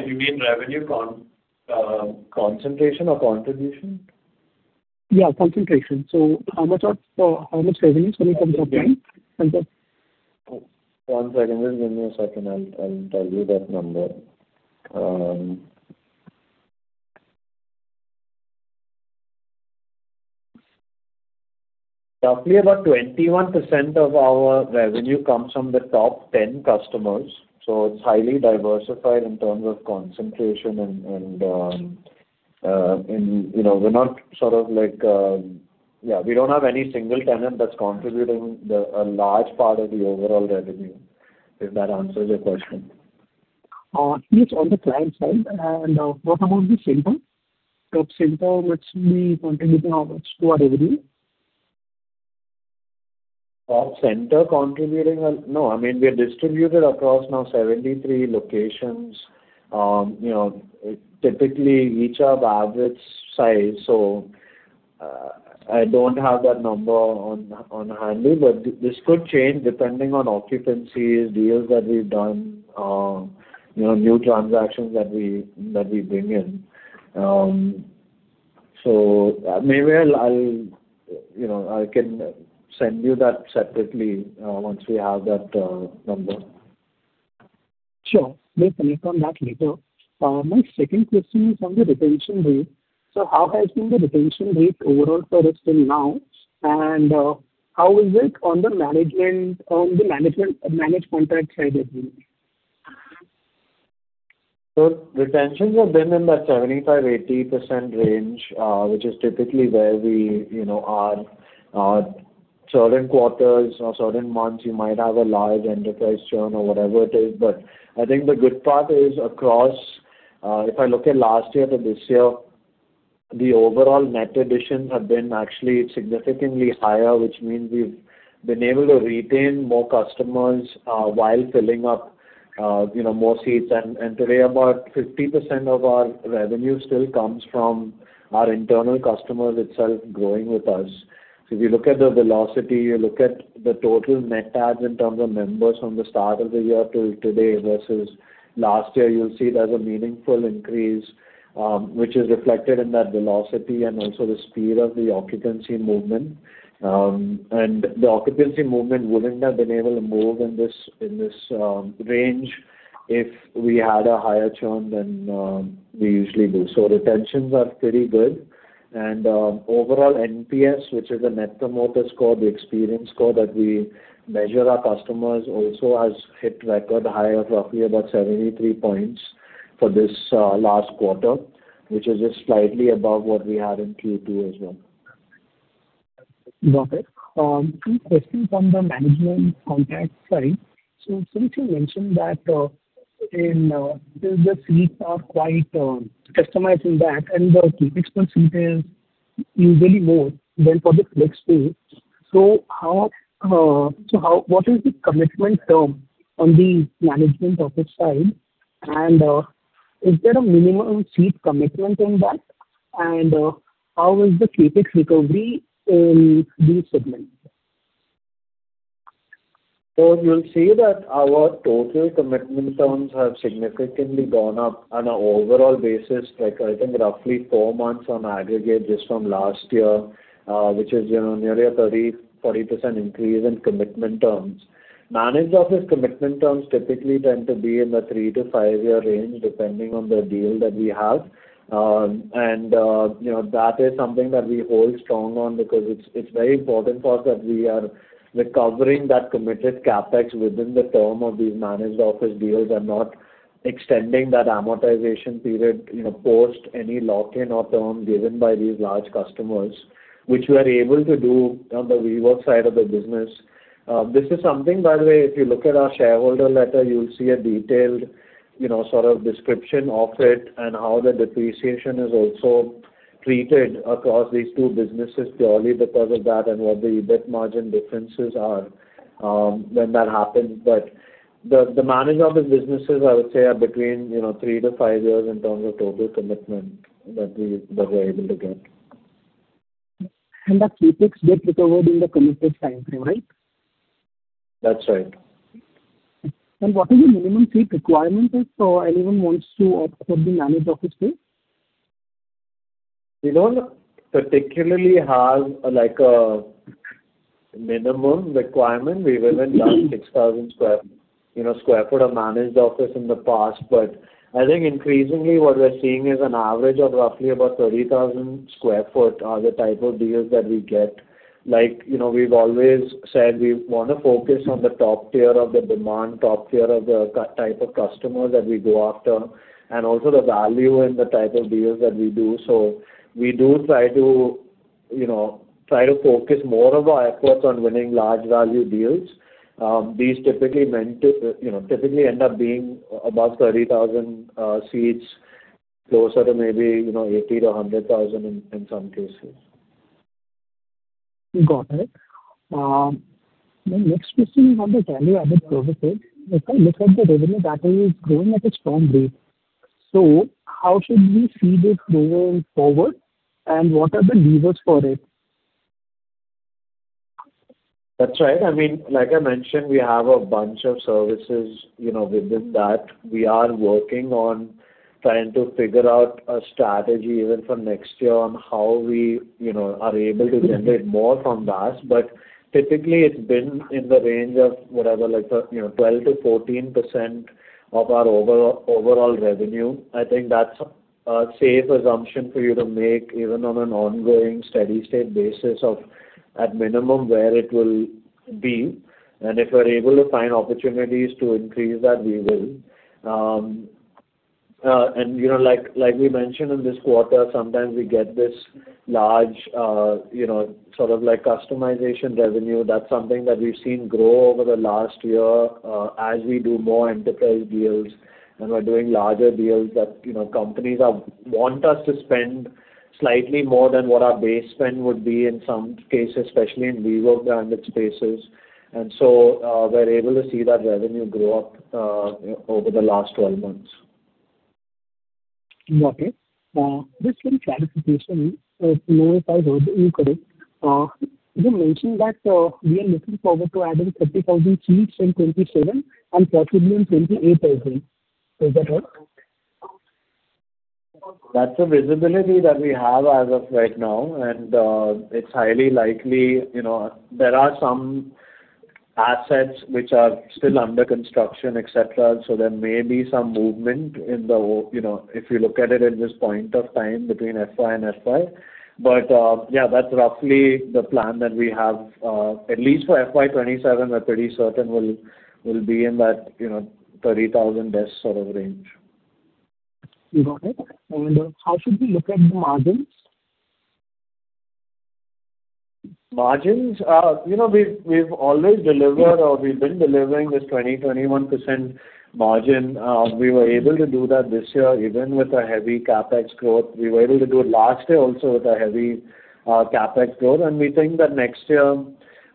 You mean revenue concentration or contribution? Yeah, concentration. So how much revenue is coming from a top client? One second. Just give me a second. I'll tell you that number. Roughly about 21% of our revenue comes from the top 10 customers. So it's highly diversified in terms of concentration. And we're not sort of like, we don't have any single tenant that's contributing a large part of the overall revenue, if that answers your question. Please, on the client side, what amount is central? Top center which will be contributing how much to our revenue? Top center contributing? No, I mean, we are distributed across now 73 locations. Typically, each have average size. So I don't have that number on hand, but this could change depending on occupancies, deals that we've done, new transactions that we bring in. So maybe I can send you that separately once we have that number. Sure. Yes, I'll come back later. My second question is on the retention rate. So how has been the retention rate overall for us till now? And how is it on the management managed contract side? So retentions have been in that 75%-80% range, which is typically where we are. Certain quarters or certain months, you might have a large enterprise churn or whatever it is. But I think the good part is across if I look at last year to this year, the overall net additions have been actually significantly higher, which means we've been able to retain more customers while filling up more seats. And today, about 50% of our revenue still comes from our internal customers itself growing with us. So if you look at the velocity, you look at the total net adds in terms of members from the start of the year till today versus last year, you'll see there's a meaningful increase, which is reflected in that velocity and also the speed of the occupancy movement. The occupancy movement wouldn't have been able to move in this range if we had a higher churn than we usually do. Retentions are pretty good. Overall, NPS, which is the Net Promoter Score, the experience score that we measure our customers, also has hit record high of roughly about 73 points for this last quarter, which is just slightly above what we had in Q2 as well. Got it. Two questions on the management contract side. So since you mentioned that the seats are quite customizing that and the key expert seat is usually more than for the flex seats. So what is the commitment term on the management office side? And is there a minimum seat commitment in that? And how is the CapEx recovery in these segments? You'll see that our total commitment terms have significantly gone up on an overall basis. I think roughly 4 months on aggregate just from last year, which is nearly a 30%-40% increase in commitment terms. Managed office commitment terms typically tend to be in the 3- to 5-year range depending on the deal that we have. That is something that we hold strong on because it's very important for us that we are recovering that committed CAPEX within the term of these managed office deals and not extending that amortization period post any lock-in or term given by these large customers, which we are able to do on the WeWork side of the business. This is something, by the way, if you look at our shareholder letter, you'll see a detailed sort of description of it and how the depreciation is also treated across these two businesses purely because of that and what the EBIT margin differences are when that happens. But the managed office businesses, I would say, are between 3-5 years in terms of total commitment that we are able to get. That CAPEX gets recovered in the committed time frame, right? That's right. What are the minimum seat requirements if anyone wants to opt for the managed office space? We don't particularly have a minimum requirement. We've even done 6,000 sq ft of managed office in the past. But I think increasingly what we're seeing is an average of roughly about 30,000 sq ft are the type of deals that we get. We've always said we want to focus on the top tier of the demand, top tier of the type of customers that we go after, and also the value in the type of deals that we do. So we do try to focus more of our efforts on winning large value deals. These typically end up being above 30,000 seats, closer to maybe 80,000-100,000 in some cases. Got it. My next question is on the value-added services. If I look at the revenue that is growing at a strong rate, so how should we see this growing forward? And what are the levers for it? That's right. I mean, like I mentioned, we have a bunch of services within that. We are working on trying to figure out a strategy even for next year on how we are able to generate more from that. But typically, it's been in the range of whatever, like 12%-14% of our overall revenue. I think that's a safe assumption for you to make even on an ongoing steady-state basis of at minimum where it will be. And if we're able to find opportunities to increase that, we will. And like we mentioned in this quarter, sometimes we get this large sort of customization revenue. That's something that we've seen grow over the last year as we do more enterprise deals and we're doing larger deals that companies want us to spend slightly more than what our base spend would be in some cases, especially in WeWork branded spaces. And so we're able to see that revenue grow up over the last 12 months. Got it. Just one clarification. So if I heard you correct, you mentioned that we are looking forward to adding 30,000 seats in 2027 and possibly in 2028 as well. Does that work? That's a visibility that we have as of right now. It's highly likely there are some assets which are still under construction, etc. There may be some movement in the if you look at it at this point of time between FY and FY. Yeah, that's roughly the plan that we have. At least for FY 2027, we're pretty certain we'll be in that 30,000 desks sort of range. Got it. How should we look at the margins? Margins? We've always delivered or we've been delivering this 20%-21% margin. We were able to do that this year even with a heavy CAPEX growth. We were able to do it last year also with a heavy CAPEX growth. And we think that next year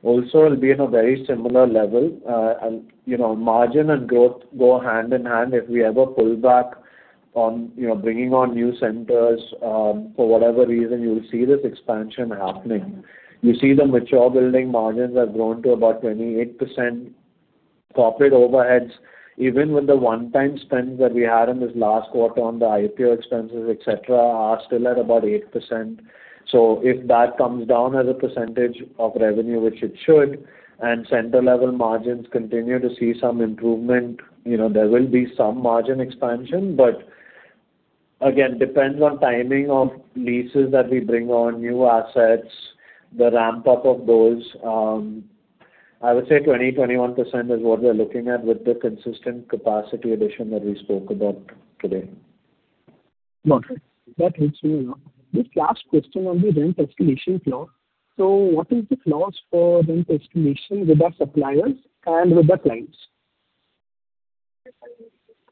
also will be at a very similar level. Margin and growth go hand in hand. If we ever pull back on bringing on new centers for whatever reason, you'll see this expansion happening. You see the mature building margins have grown to about 28%. Corporate overheads, even with the one-time spends that we had in this last quarter on the IPO expenses, etc., are still at about 8%. So if that comes down as a percentage of revenue, which it should, and center-level margins continue to see some improvement, there will be some margin expansion. But again, depends on timing of leases that we bring on, new assets, the ramp-up of those. I would say 20%-21% is what we're looking at with the consistent capacity addition that we spoke about today. Got it. That helps me a lot. This last question on the rent escalation floor. So what is the clause for rent escalation with our suppliers and with our clients?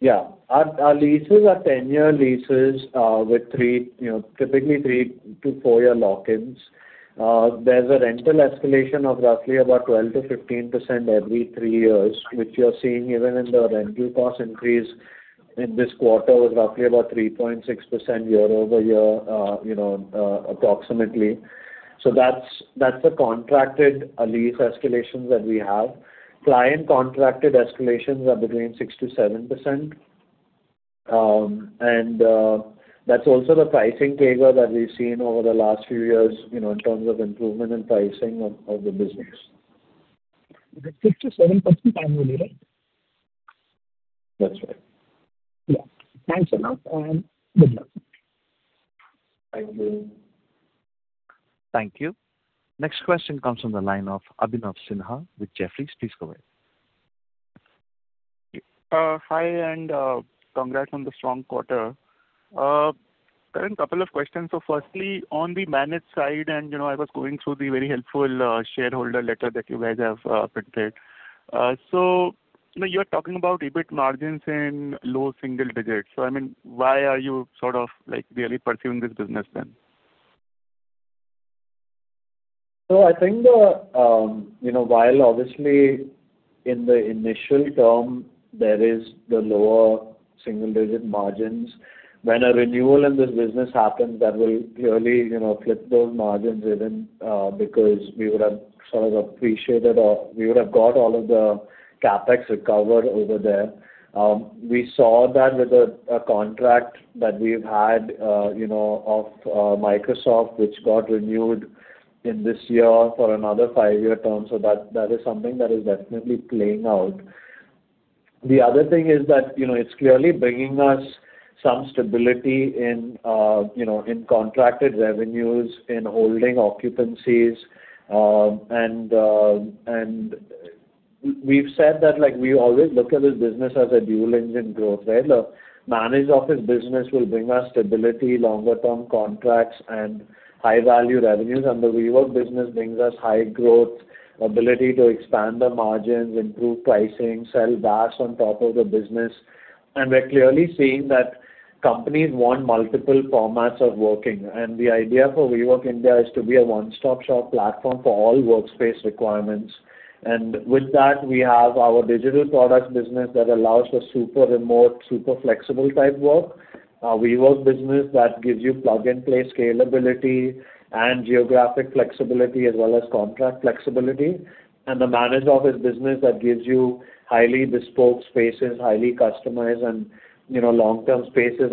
Yeah. Our leases are 10-year leases with typically 3- to 4-year lock-ins. There's a rental escalation of roughly about 12%-15% every 3 years, which you're seeing even in the rent due cost increase in this quarter was roughly about 3.6% year-over-year, approximately. So that's the contracted lease escalations that we have. Client contracted escalations are between 6%-7%. And that's also the pricing tagger that we've seen over the last few years in terms of improvement in pricing of the business. Is it 6%-7% annually, right? That's right. Yeah. Thanks a lot. Good luck. Thank you. Thank you. Next question comes from the line of Abhinav Sinha with Jefferies. Please go ahead. Hi, and congrats on the strong quarter. A couple of questions. So firstly, on the managed side, and I was going through the very helpful shareholder letter that you guys have printed. So you're talking about EBIT margins in low single digits. So I mean, why are you sort of really pursuing this business then? So I think while obviously in the initial term, there is the lower single-digit margins, when a renewal in this business happens, that will clearly flip those margins even because we would have sort of appreciated or we would have got all of the CAPEX recovered over there. We saw that with a contract that we've had of Microsoft, which got renewed in this year for another five-year term. So that is something that is definitely playing out. The other thing is that it's clearly bringing us some stability in contracted revenues, in holding occupancies. And we've said that we always look at this business as a dual engine growth. Managed office business will bring us stability, longer-term contracts, and high-value revenues. And the WeWork business brings us high growth, ability to expand the margins, improve pricing, sell VAS on top of the business. We're clearly seeing that companies want multiple formats of working. The idea for WeWork India is to be a one-stop-shop platform for all workspace requirements. With that, we have our digital products business that allows for super remote, super flexible type work, our WeWork business that gives you plug-and-play scalability and geographic flexibility as well as contract flexibility, and the managed office business that gives you highly bespoke spaces, highly customized and long-term spaces.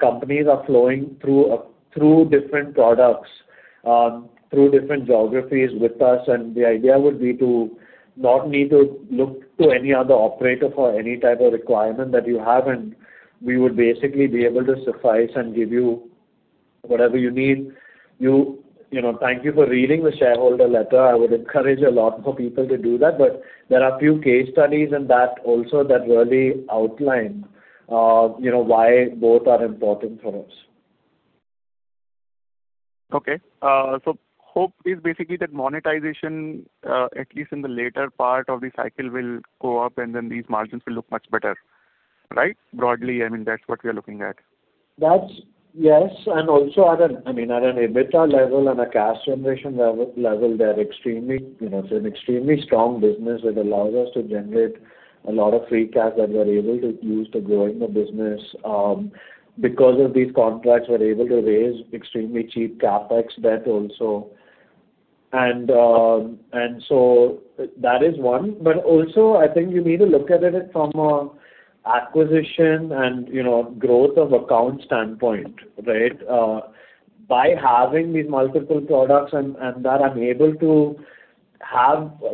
Companies are flowing through different products, through different geographies with us. The idea would be to not need to look to any other operator for any type of requirement that you have. We would basically be able to suffice and give you whatever you need. Thank you for reading the shareholder letter. I would encourage a lot more people to do that. There are a few case studies in that also that really outline why both are important for us. Okay. So hope is basically that monetization, at least in the later part of the cycle, will go up and then these margins will look much better, right? Broadly, I mean, that's what we are looking at. That's yes. Also at an EBITDA level and a cash generation level, it's an extremely strong business. It allows us to generate a lot of free cash that we're able to use to growing the business. Because of these contracts, we're able to raise extremely cheap CAPEX debt also. So that is one. Also, I think you need to look at it from an acquisition and growth of account standpoint, right? By having these multiple products and that I'm able to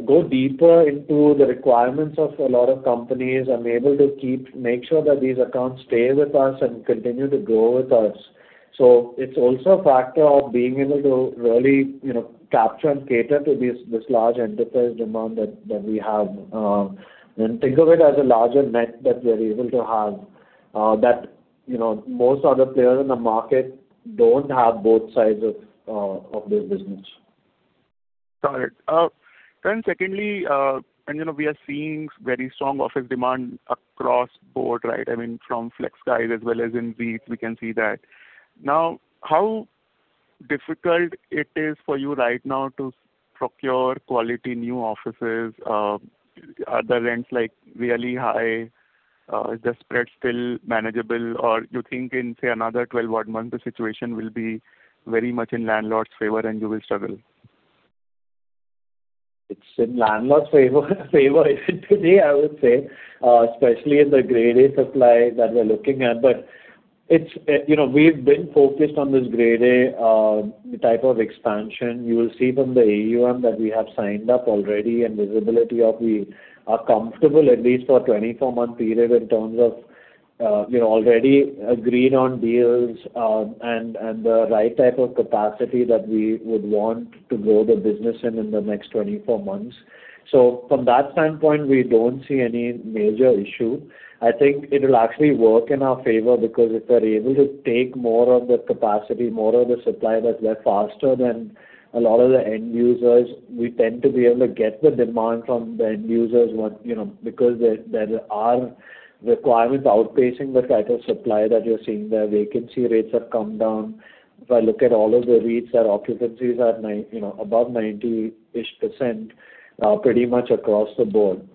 go deeper into the requirements of a lot of companies, I'm able to make sure that these accounts stay with us and continue to grow with us. It's also a factor of being able to really capture and cater to this large enterprise demand that we have. Think of it as a larger net that we are able to have that most other players in the market don't have both sides of this business. Got it. Then secondly, and we are seeing very strong office demand across the board, right? I mean, from FlexGuise as well as Insee, we can see that. Now, how difficult it is for you right now to procure quality new offices? Are the rents really high? Is the spread still manageable? Or you think in, say, another 12-odd months, the situation will be very much in landlords' favor and you will struggle? It's in landlords' favor today, I would say, especially in the grade A supply that we're looking at. But we've been focused on this grade A type of expansion. You will see from the AUM that we have signed up already and visibility of we are comfortable at least for a 24-month period in terms of already agreeing on deals and the right type of capacity that we would want to grow the business in in the next 24 months. So from that standpoint, we don't see any major issue. I think it will actually work in our favor because if we're able to take more of the capacity, more of the supply that's there faster than a lot of the end users, we tend to be able to get the demand from the end users because there are requirements outpacing the type of supply that you're seeing there. Vacancy rates have come down. If I look at all of the REITs, our occupancies are above 90%-ish pretty much across the board.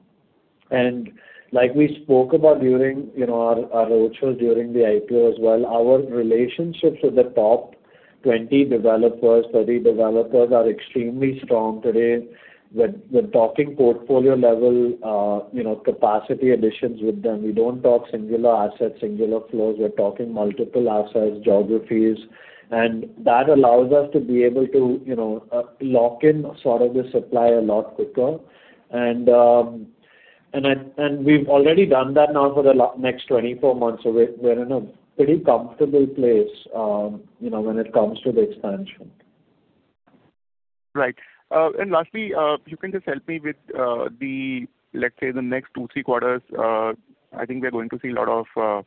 And like we spoke about during our roadshows during the IPO as well, our relationships with the top 20 developers, 30 developers are extremely strong today. We're talking portfolio-level capacity additions with them. We don't talk singular assets, singular flows. We're talking multiple assets, geographies. And that allows us to be able to lock in sort of the supply a lot quicker. And we've already done that now for the next 24 months. So we're in a pretty comfortable place when it comes to the expansion. Right. And lastly, if you can just help me with the, let's say, the next two, three quarters, I think we're going to see a lot of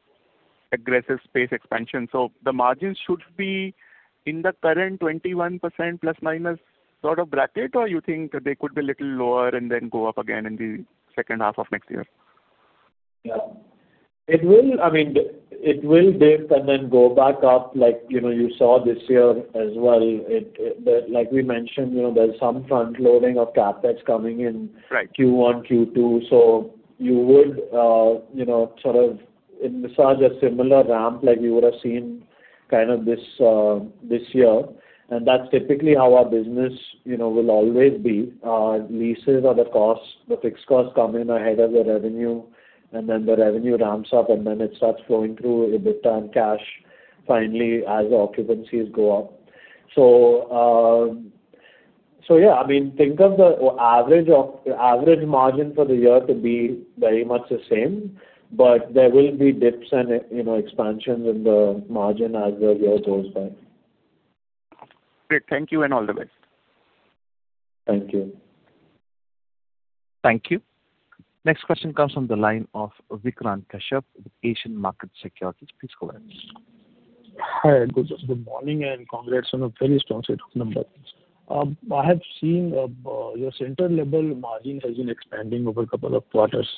aggressive space expansion. So the margins should be in the current 21% ± sort of bracket, or you think they could be a little lower and then go up again in the second half of next year? Yeah. I mean, it will dip and then go back up like you saw this year as well. Like we mentioned, there's some front-loading of CAPEX coming in Q1, Q2. So you would sort of in such a similar ramp like you would have seen kind of this year. And that's typically how our business will always be. Leases are the costs. The fixed costs come in ahead of the revenue, and then the revenue ramps up, and then it starts flowing through EBITDA and cash finally as occupancies go up. So yeah, I mean, think of the average margin for the year to be very much the same, but there will be dips and expansions in the margin as the year goes by. Great. Thank you and all the best. Thank you. Thank you. Next question comes from the line of Vikrant Kashyap with Asian Markets Securities. Please go ahead. Hi. Good morning and congrats on a very strong set of numbers. I have seen your Center-level margin has been expanding over a couple of quarters.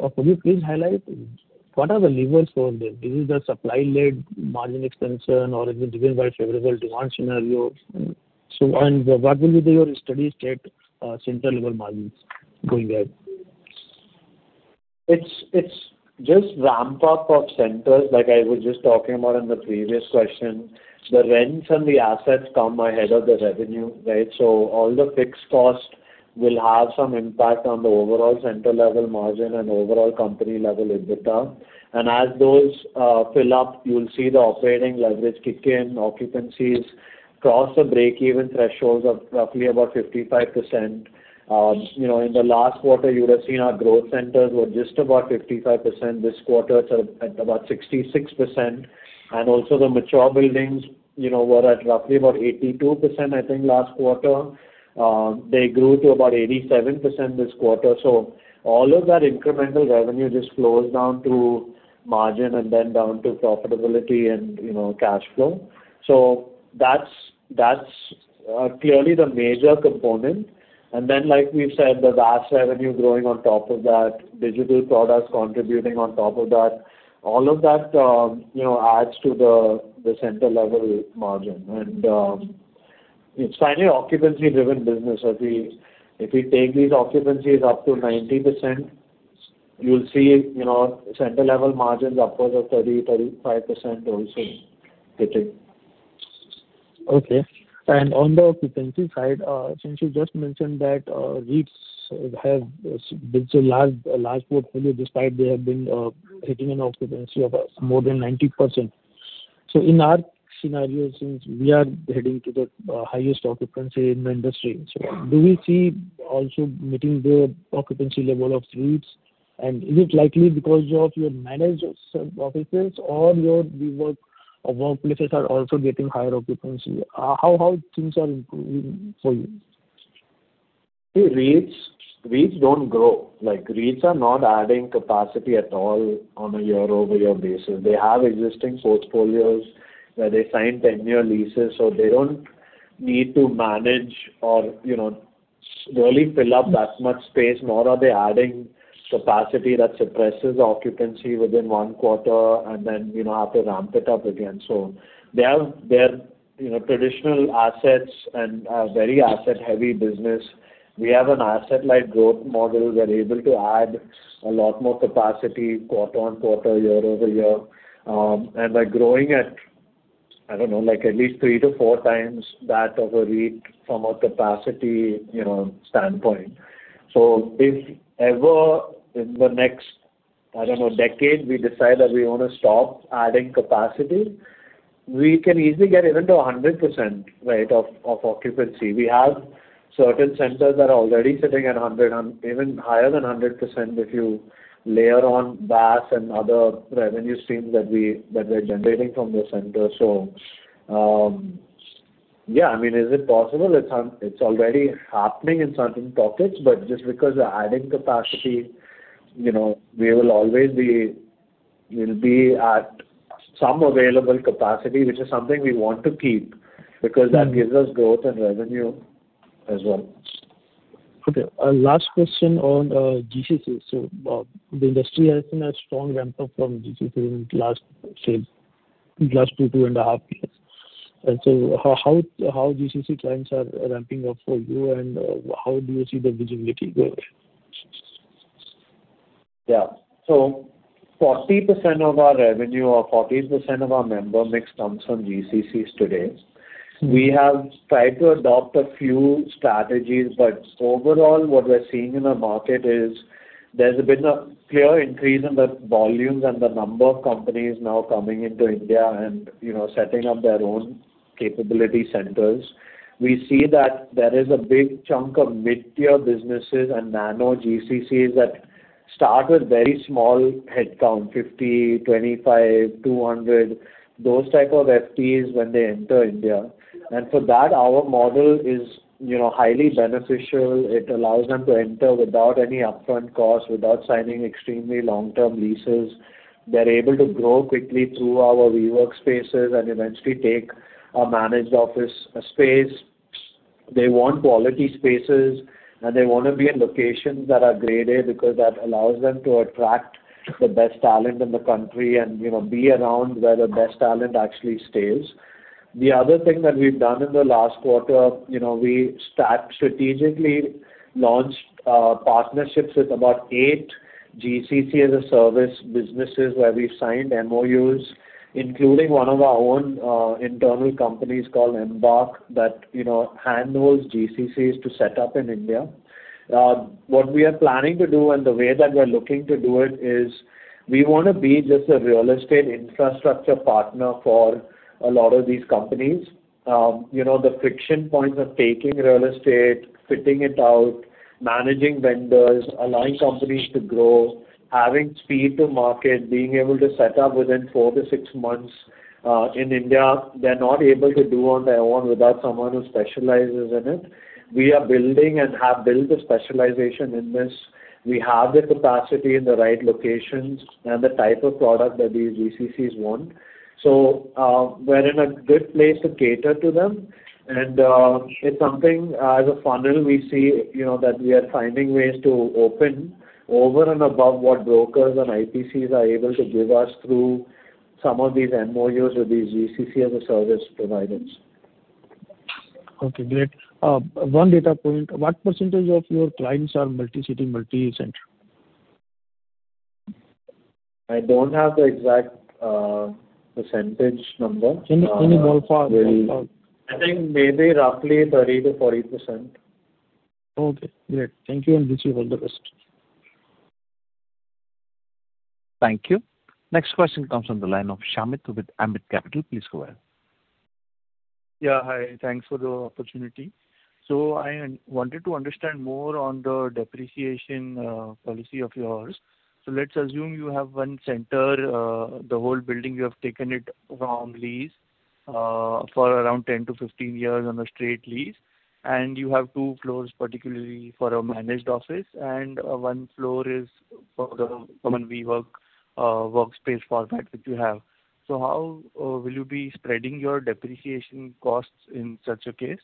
Could you please highlight what are the levers for this? Is it the supply-led margin expansion or is it driven by favorable demand scenarios? What will be your steady state Center-level margins going ahead? It's just ramp-up of centers like I was just talking about in the previous question. The rents and the assets come ahead of the revenue, right? So all the fixed costs will have some impact on the overall center-level margin and overall company-level EBITDA. And as those fill up, you'll see the operating leverage kick in. Occupancies cross the break-even thresholds of roughly about 55%. In the last quarter, you would have seen our growth centers were just about 55%. This quarter, it's at about 66%. And also the mature buildings were at roughly about 82%, I think, last quarter. They grew to about 87% this quarter. So all of that incremental revenue just flows down to margin and then down to profitability and cash flow. So that's clearly the major component. Then, like we've said, the VAS revenue growing on top of that, digital products contributing on top of that. All of that adds to the center-level margin. It's finally occupancy-driven business. If we take these occupancies up to 90%, you'll see center-level margins upwards of 30%-35% also hitting. Okay. On the occupancy side, since you just mentioned that REITs have such a large portfolio despite they have been hitting an occupancy of more than 90%. In our scenario, since we are heading to the highest occupancy in the industry, do we see also meeting the occupancy level of REITs? And is it likely because of your managed offices or your workplaces are also getting higher occupancy? How things are improving for you? REITs don't grow. REITs are not adding capacity at all on a year-over-year basis. They have existing portfolios where they sign 10-year leases, so they don't need to manage or really fill up that much space, nor are they adding capacity that suppresses occupancy within one quarter and then have to ramp it up again. So they're traditional assets and a very asset-heavy business. We have an asset-like growth model. We're able to add a lot more capacity quarter-on-quarter, year-over-year. And we're growing at, I don't know, at least 3-4 times that of a REIT from a capacity standpoint. So if ever in the next, I don't know, decade, we decide that we want to stop adding capacity, we can easily get even to 100%, right, of occupancy. We have certain centers that are already sitting at even higher than 100% if you layer on VAS and other revenue streams that we're generating from those centers. So yeah, I mean, is it possible? It's already happening in certain pockets, but just because we're adding capacity, we will always be at some available capacity, which is something we want to keep because that gives us growth and revenue as well. Okay. Last question on GCC. So the industry has seen a strong ramp-up from GCC in the last 2, 2.5 years. And so how GCC clients are ramping up for you, and how do you see the visibility going? Yeah. So 40% of our revenue or 40% of our member mix comes from GCCs today. We have tried to adopt a few strategies, but overall, what we're seeing in the market is there's been a clear increase in the volumes and the number of companies now coming into India and setting up their own capability centers. We see that there is a big chunk of mid-tier businesses and nano GCCs that start with very small headcount, 50, 25, 200, those type of FTEs when they enter India. And for that, our model is highly beneficial. It allows them to enter without any upfront cost, without signing extremely long-term leases. They're able to grow quickly through our WeWork spaces and eventually take a managed office space. They want quality spaces, and they want to be in locations that are Grade A because that allows them to attract the best talent in the country and be around where the best talent actually stays. The other thing that we've done in the last quarter, we strategically launched partnerships with about eight GCC-as-a-service businesses where we've signed MOUs, including one of our own internal companies called Embark that handles GCCs to set up in India. What we are planning to do and the way that we're looking to do it is we want to be just a real estate infrastructure partner for a lot of these companies. The friction points of taking real estate, fitting it out, managing vendors, allowing companies to grow, having speed to market, being able to set up within 4-6 months in India, they're not able to do on their own without someone who specializes in it. We are building and have built a specialization in this. We have the capacity in the right locations and the type of product that these GCCs want. So we're in a good place to cater to them. And it's something as a funnel, we see that we are finding ways to open over and above what brokers and IPCs are able to give us through some of these MOUs with these GCC-as-a-service providers. Okay. Great. One data point. What percentage of your clients are multi-city, multi-center? I don't have the exact percentage number. Any ballpark? I think maybe roughly 30%-40%. Okay. Great. Thank you, and we'll see all the rest. Thank you. Next question comes from the line of Shamit with Ambit Capital. Please go ahead. Yeah. Hi. Thanks for the opportunity. So I wanted to understand more on the depreciation policy of yours. So let's assume you have one center, the whole building you have taken it from lease for around 10-15 years on a straight lease, and you have two floors, particularly for a managed office, and one floor is for the common WeWork workspace format that you have. So how will you be spreading your depreciation costs in such a case?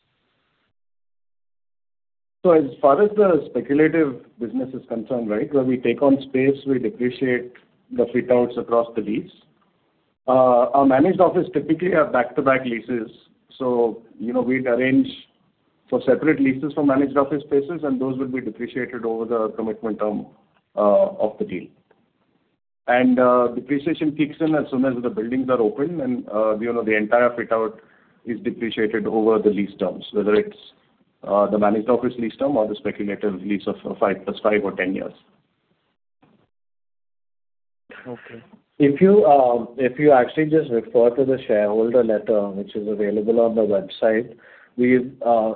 So as far as the speculative business is concerned, right, where we take on space, we depreciate the fit-outs across the lease. Our managed office typically are back-to-back leases. So we'd arrange for separate leases for managed office spaces, and those would be depreciated over the commitment term of the deal. And depreciation kicks in as soon as the buildings are open, and the entire fit-out is depreciated over the lease terms, whether it's the managed office lease term or the speculative lease of 5+5 or 10 years. Okay. If you actually just refer to the shareholder letter, which is available on the website, we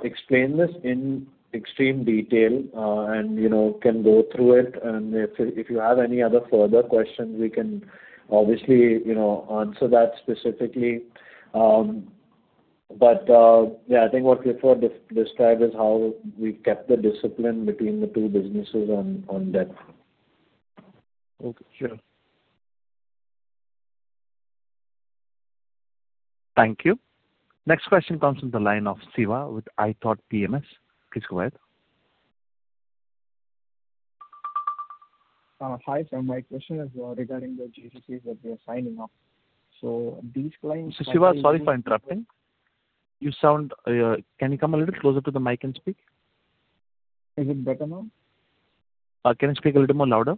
explain this in extreme detail and can go through it. And if you have any other further questions, we can obviously answer that specifically. But yeah, I think what we've described is how we've kept the discipline between the two businesses on debt. Okay. Sure. Thank you. Next question comes from the line of Siva with iThought PMS. Please go ahead. Hi. My question is regarding the GCCs that we are signing up. These clients are. Siva, sorry for interrupting. Can you come a little closer to the mic and speak? Is it better now? Can you speak a little more louder?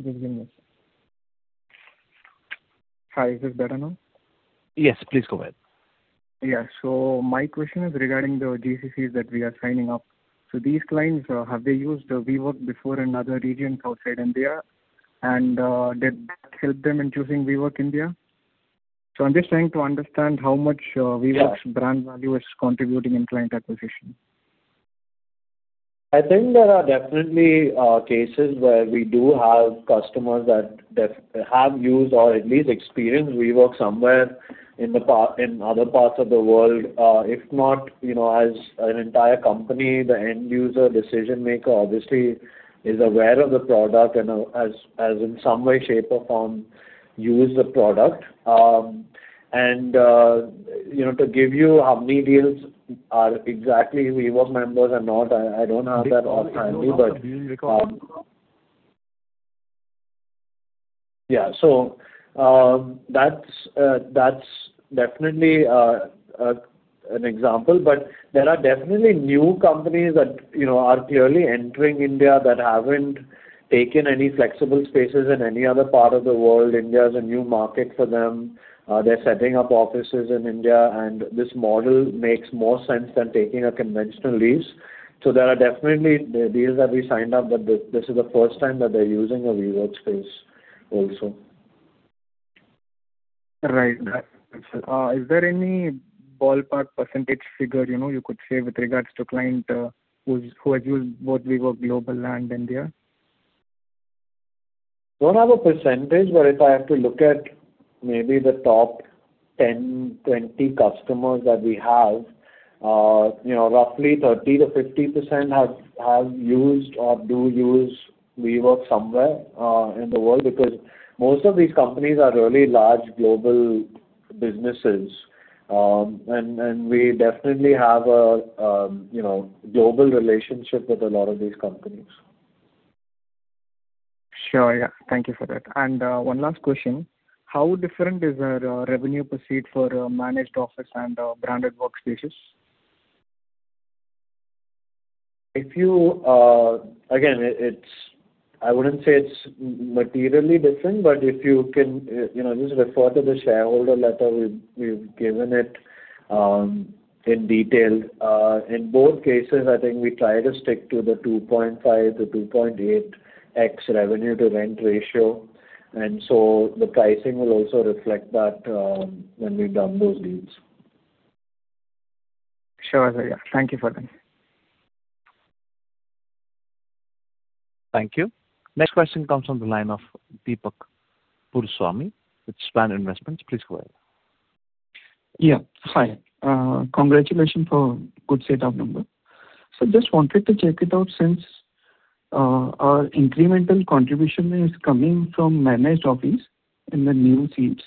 Okay. Give me a sec. Hi. Is this better now? Yes. Please go ahead. Yeah. So my question is regarding the GCCs that we are signing up. So these clients, have they used WeWork before in other regions outside India, and did that help them in choosing WeWork India? So I'm just trying to understand how much WeWork's brand value is contributing in client acquisition. I think there are definitely cases where we do have customers that have used or at least experienced WeWork somewhere in other parts of the world. If not as an entire company, the end user, decision maker obviously is aware of the product and has in some way, shape, or form used the product. And to give you how many deals are exactly WeWork members and not, I don't have that offhand, but. Do you recall? Yeah. So that's definitely an example, but there are definitely new companies that are clearly entering India that haven't taken any flexible spaces in any other part of the world. India is a new market for them. They're setting up offices in India, and this model makes more sense than taking a conventional lease. So there are definitely deals that we signed up, but this is the first time that they're using a WeWork space also. Right. Is there any ballpark percentage figure you could say with regards to client who has used both WeWork Global and India? Don't have a percentage, but if I have to look at maybe the top 10, 20 customers that we have, roughly 30%-50% have used or do use WeWork somewhere in the world because most of these companies are really large global businesses, and we definitely have a global relationship with a lot of these companies. Sure. Yeah. Thank you for that. One last question. How different is the revenue perceived for managed office and branded workspaces? Again, I wouldn't say it's materially different, but if you can just refer to the shareholder letter, we've given it in detail. In both cases, I think we try to stick to the 2.5x-2.8x Revenue-to-rent ratio. And so the pricing will also reflect that when we've done those deals. Sure. Yeah. Thank you for that. Thank you. Next question comes from the line of Deepak Purswani with Svan Investments. Please go ahead. Yeah. Hi. Congratulations for a good setup number. So just wanted to check it out since our incremental contribution is coming from managed office in the new seats.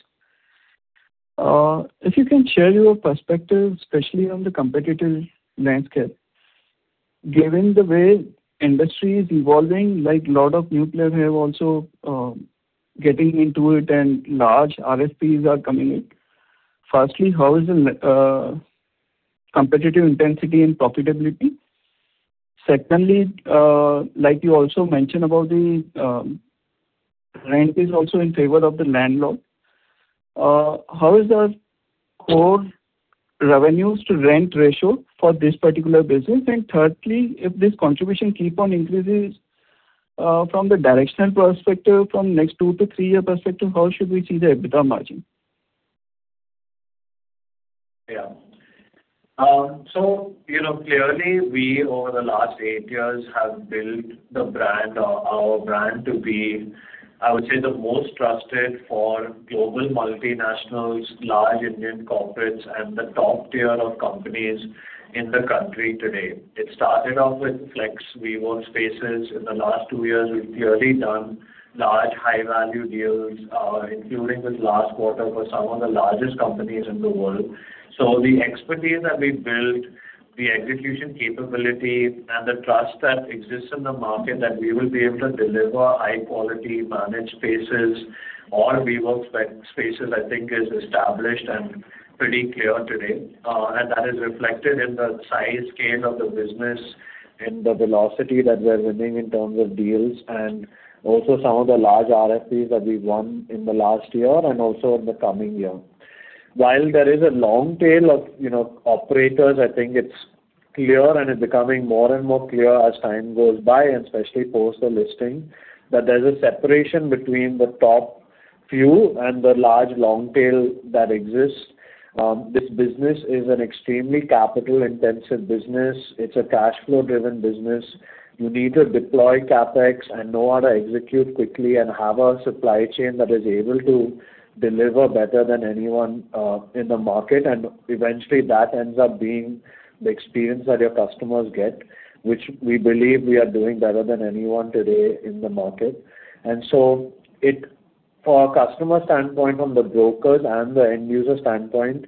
If you can share your perspective, especially on the competitive landscape, given the way industry is evolving, like a lot of new players have also getting into it and large RFPs are coming in. Firstly, how is the competitive intensity and profitability? Secondly, like you also mentioned about the rent is also in favor of the landlord. How is the core revenue-to-rent ratio for this particular business? And thirdly, if this contribution keeps on increasing from the directional perspective, from next 2 to 3-year perspective, how should we see the EBITDA margin? Yeah. So clearly, we over the last 8 years have built our brand to be, I would say, the most trusted for global multinationals, large Indian corporates, and the top tier of companies in the country today. It started off with flex WeWork spaces. In the last 2 years, we've clearly done large, high-value deals, including this last quarter for some of the largest companies in the world. So the expertise that we built, the execution capability, and the trust that exists in the market that we will be able to deliver high-quality managed spaces or WeWork spaces, I think, is established and pretty clear today. And that is reflected in the size, scale of the business, in the velocity that we're winning in terms of deals, and also some of the large RFPs that we've won in the last year and also in the coming year. While there is a long tail of operators, I think it's clear and is becoming more and more clear as time goes by, and especially post the listing, that there's a separation between the top few and the large long tail that exists. This business is an extremely capital-intensive business. It's a cash flow-driven business. You need to deploy CAPEX and know how to execute quickly and have a supply chain that is able to deliver better than anyone in the market. And eventually, that ends up being the experience that your customers get, which we believe we are doing better than anyone today in the market. And so for our customer standpoint, from the brokers and the end user standpoint,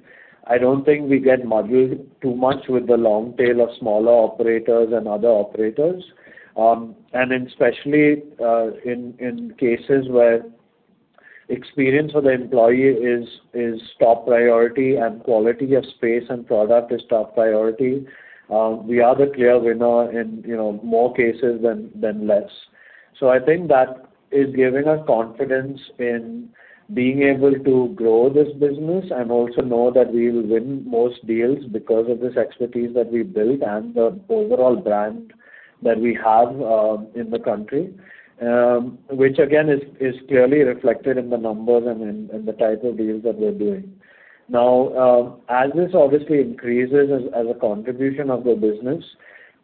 I don't think we get muddled too much with the long tail of smaller operators and other operators. Especially in cases where experience for the employee is top priority and quality of space and product is top priority, we are the clear winner in more cases than less. I think that is giving us confidence in being able to grow this business and also know that we will win most deals because of this expertise that we built and the overall brand that we have in the country, which again is clearly reflected in the numbers and in the type of deals that we're doing. Now, as this obviously increases as a contribution of the business,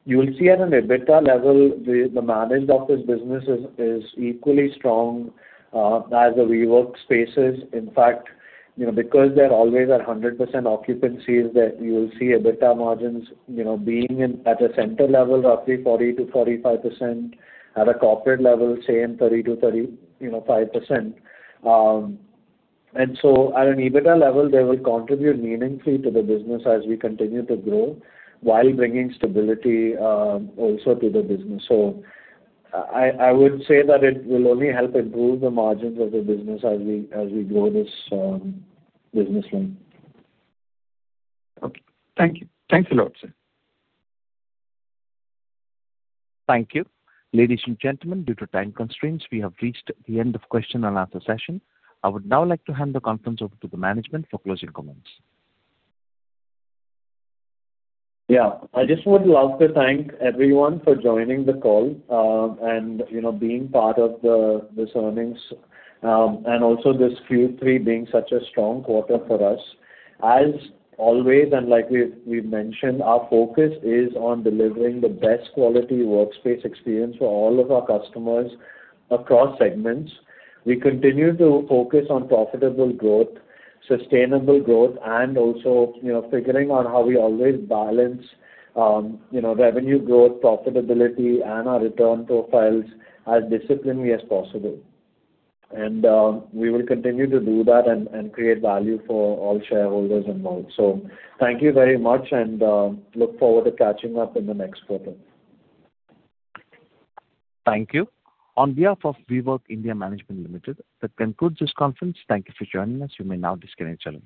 you'll see at an EBITDA level, the managed office business is equally strong as the WeWork spaces. In fact, because they're always at 100% occupancy, you'll see EBITDA margins being at a center level, roughly 40%-45%. At a corporate level, same 30%-35%. At an EBITDA level, they will contribute meaningfully to the business as we continue to grow while bringing stability also to the business. I would say that it will only help improve the margins of the business as we grow this business line. Okay. Thank you. Thanks a lot, sir. Thank you. Ladies and gentlemen, due to time constraints, we have reached the end of question and answer session. I would now like to hand the conference over to the management for closing comments. Yeah. I just want to lastly thank everyone for joining the call and being part of this earnings and also this Q3 being such a strong quarter for us. As always, and like we've mentioned, our focus is on delivering the best quality workspace experience for all of our customers across segments. We continue to focus on profitable growth, sustainable growth, and also figuring out how we always balance revenue growth, profitability, and our return profiles as disciplinedly as possible. We will continue to do that and create value for all shareholders involved. Thank you very much, and look forward to catching up in the next quarter. Thank you. On behalf of WeWork India Management Limited, that concludes this conference. Thank you for joining us. You may now disconnect yourselves.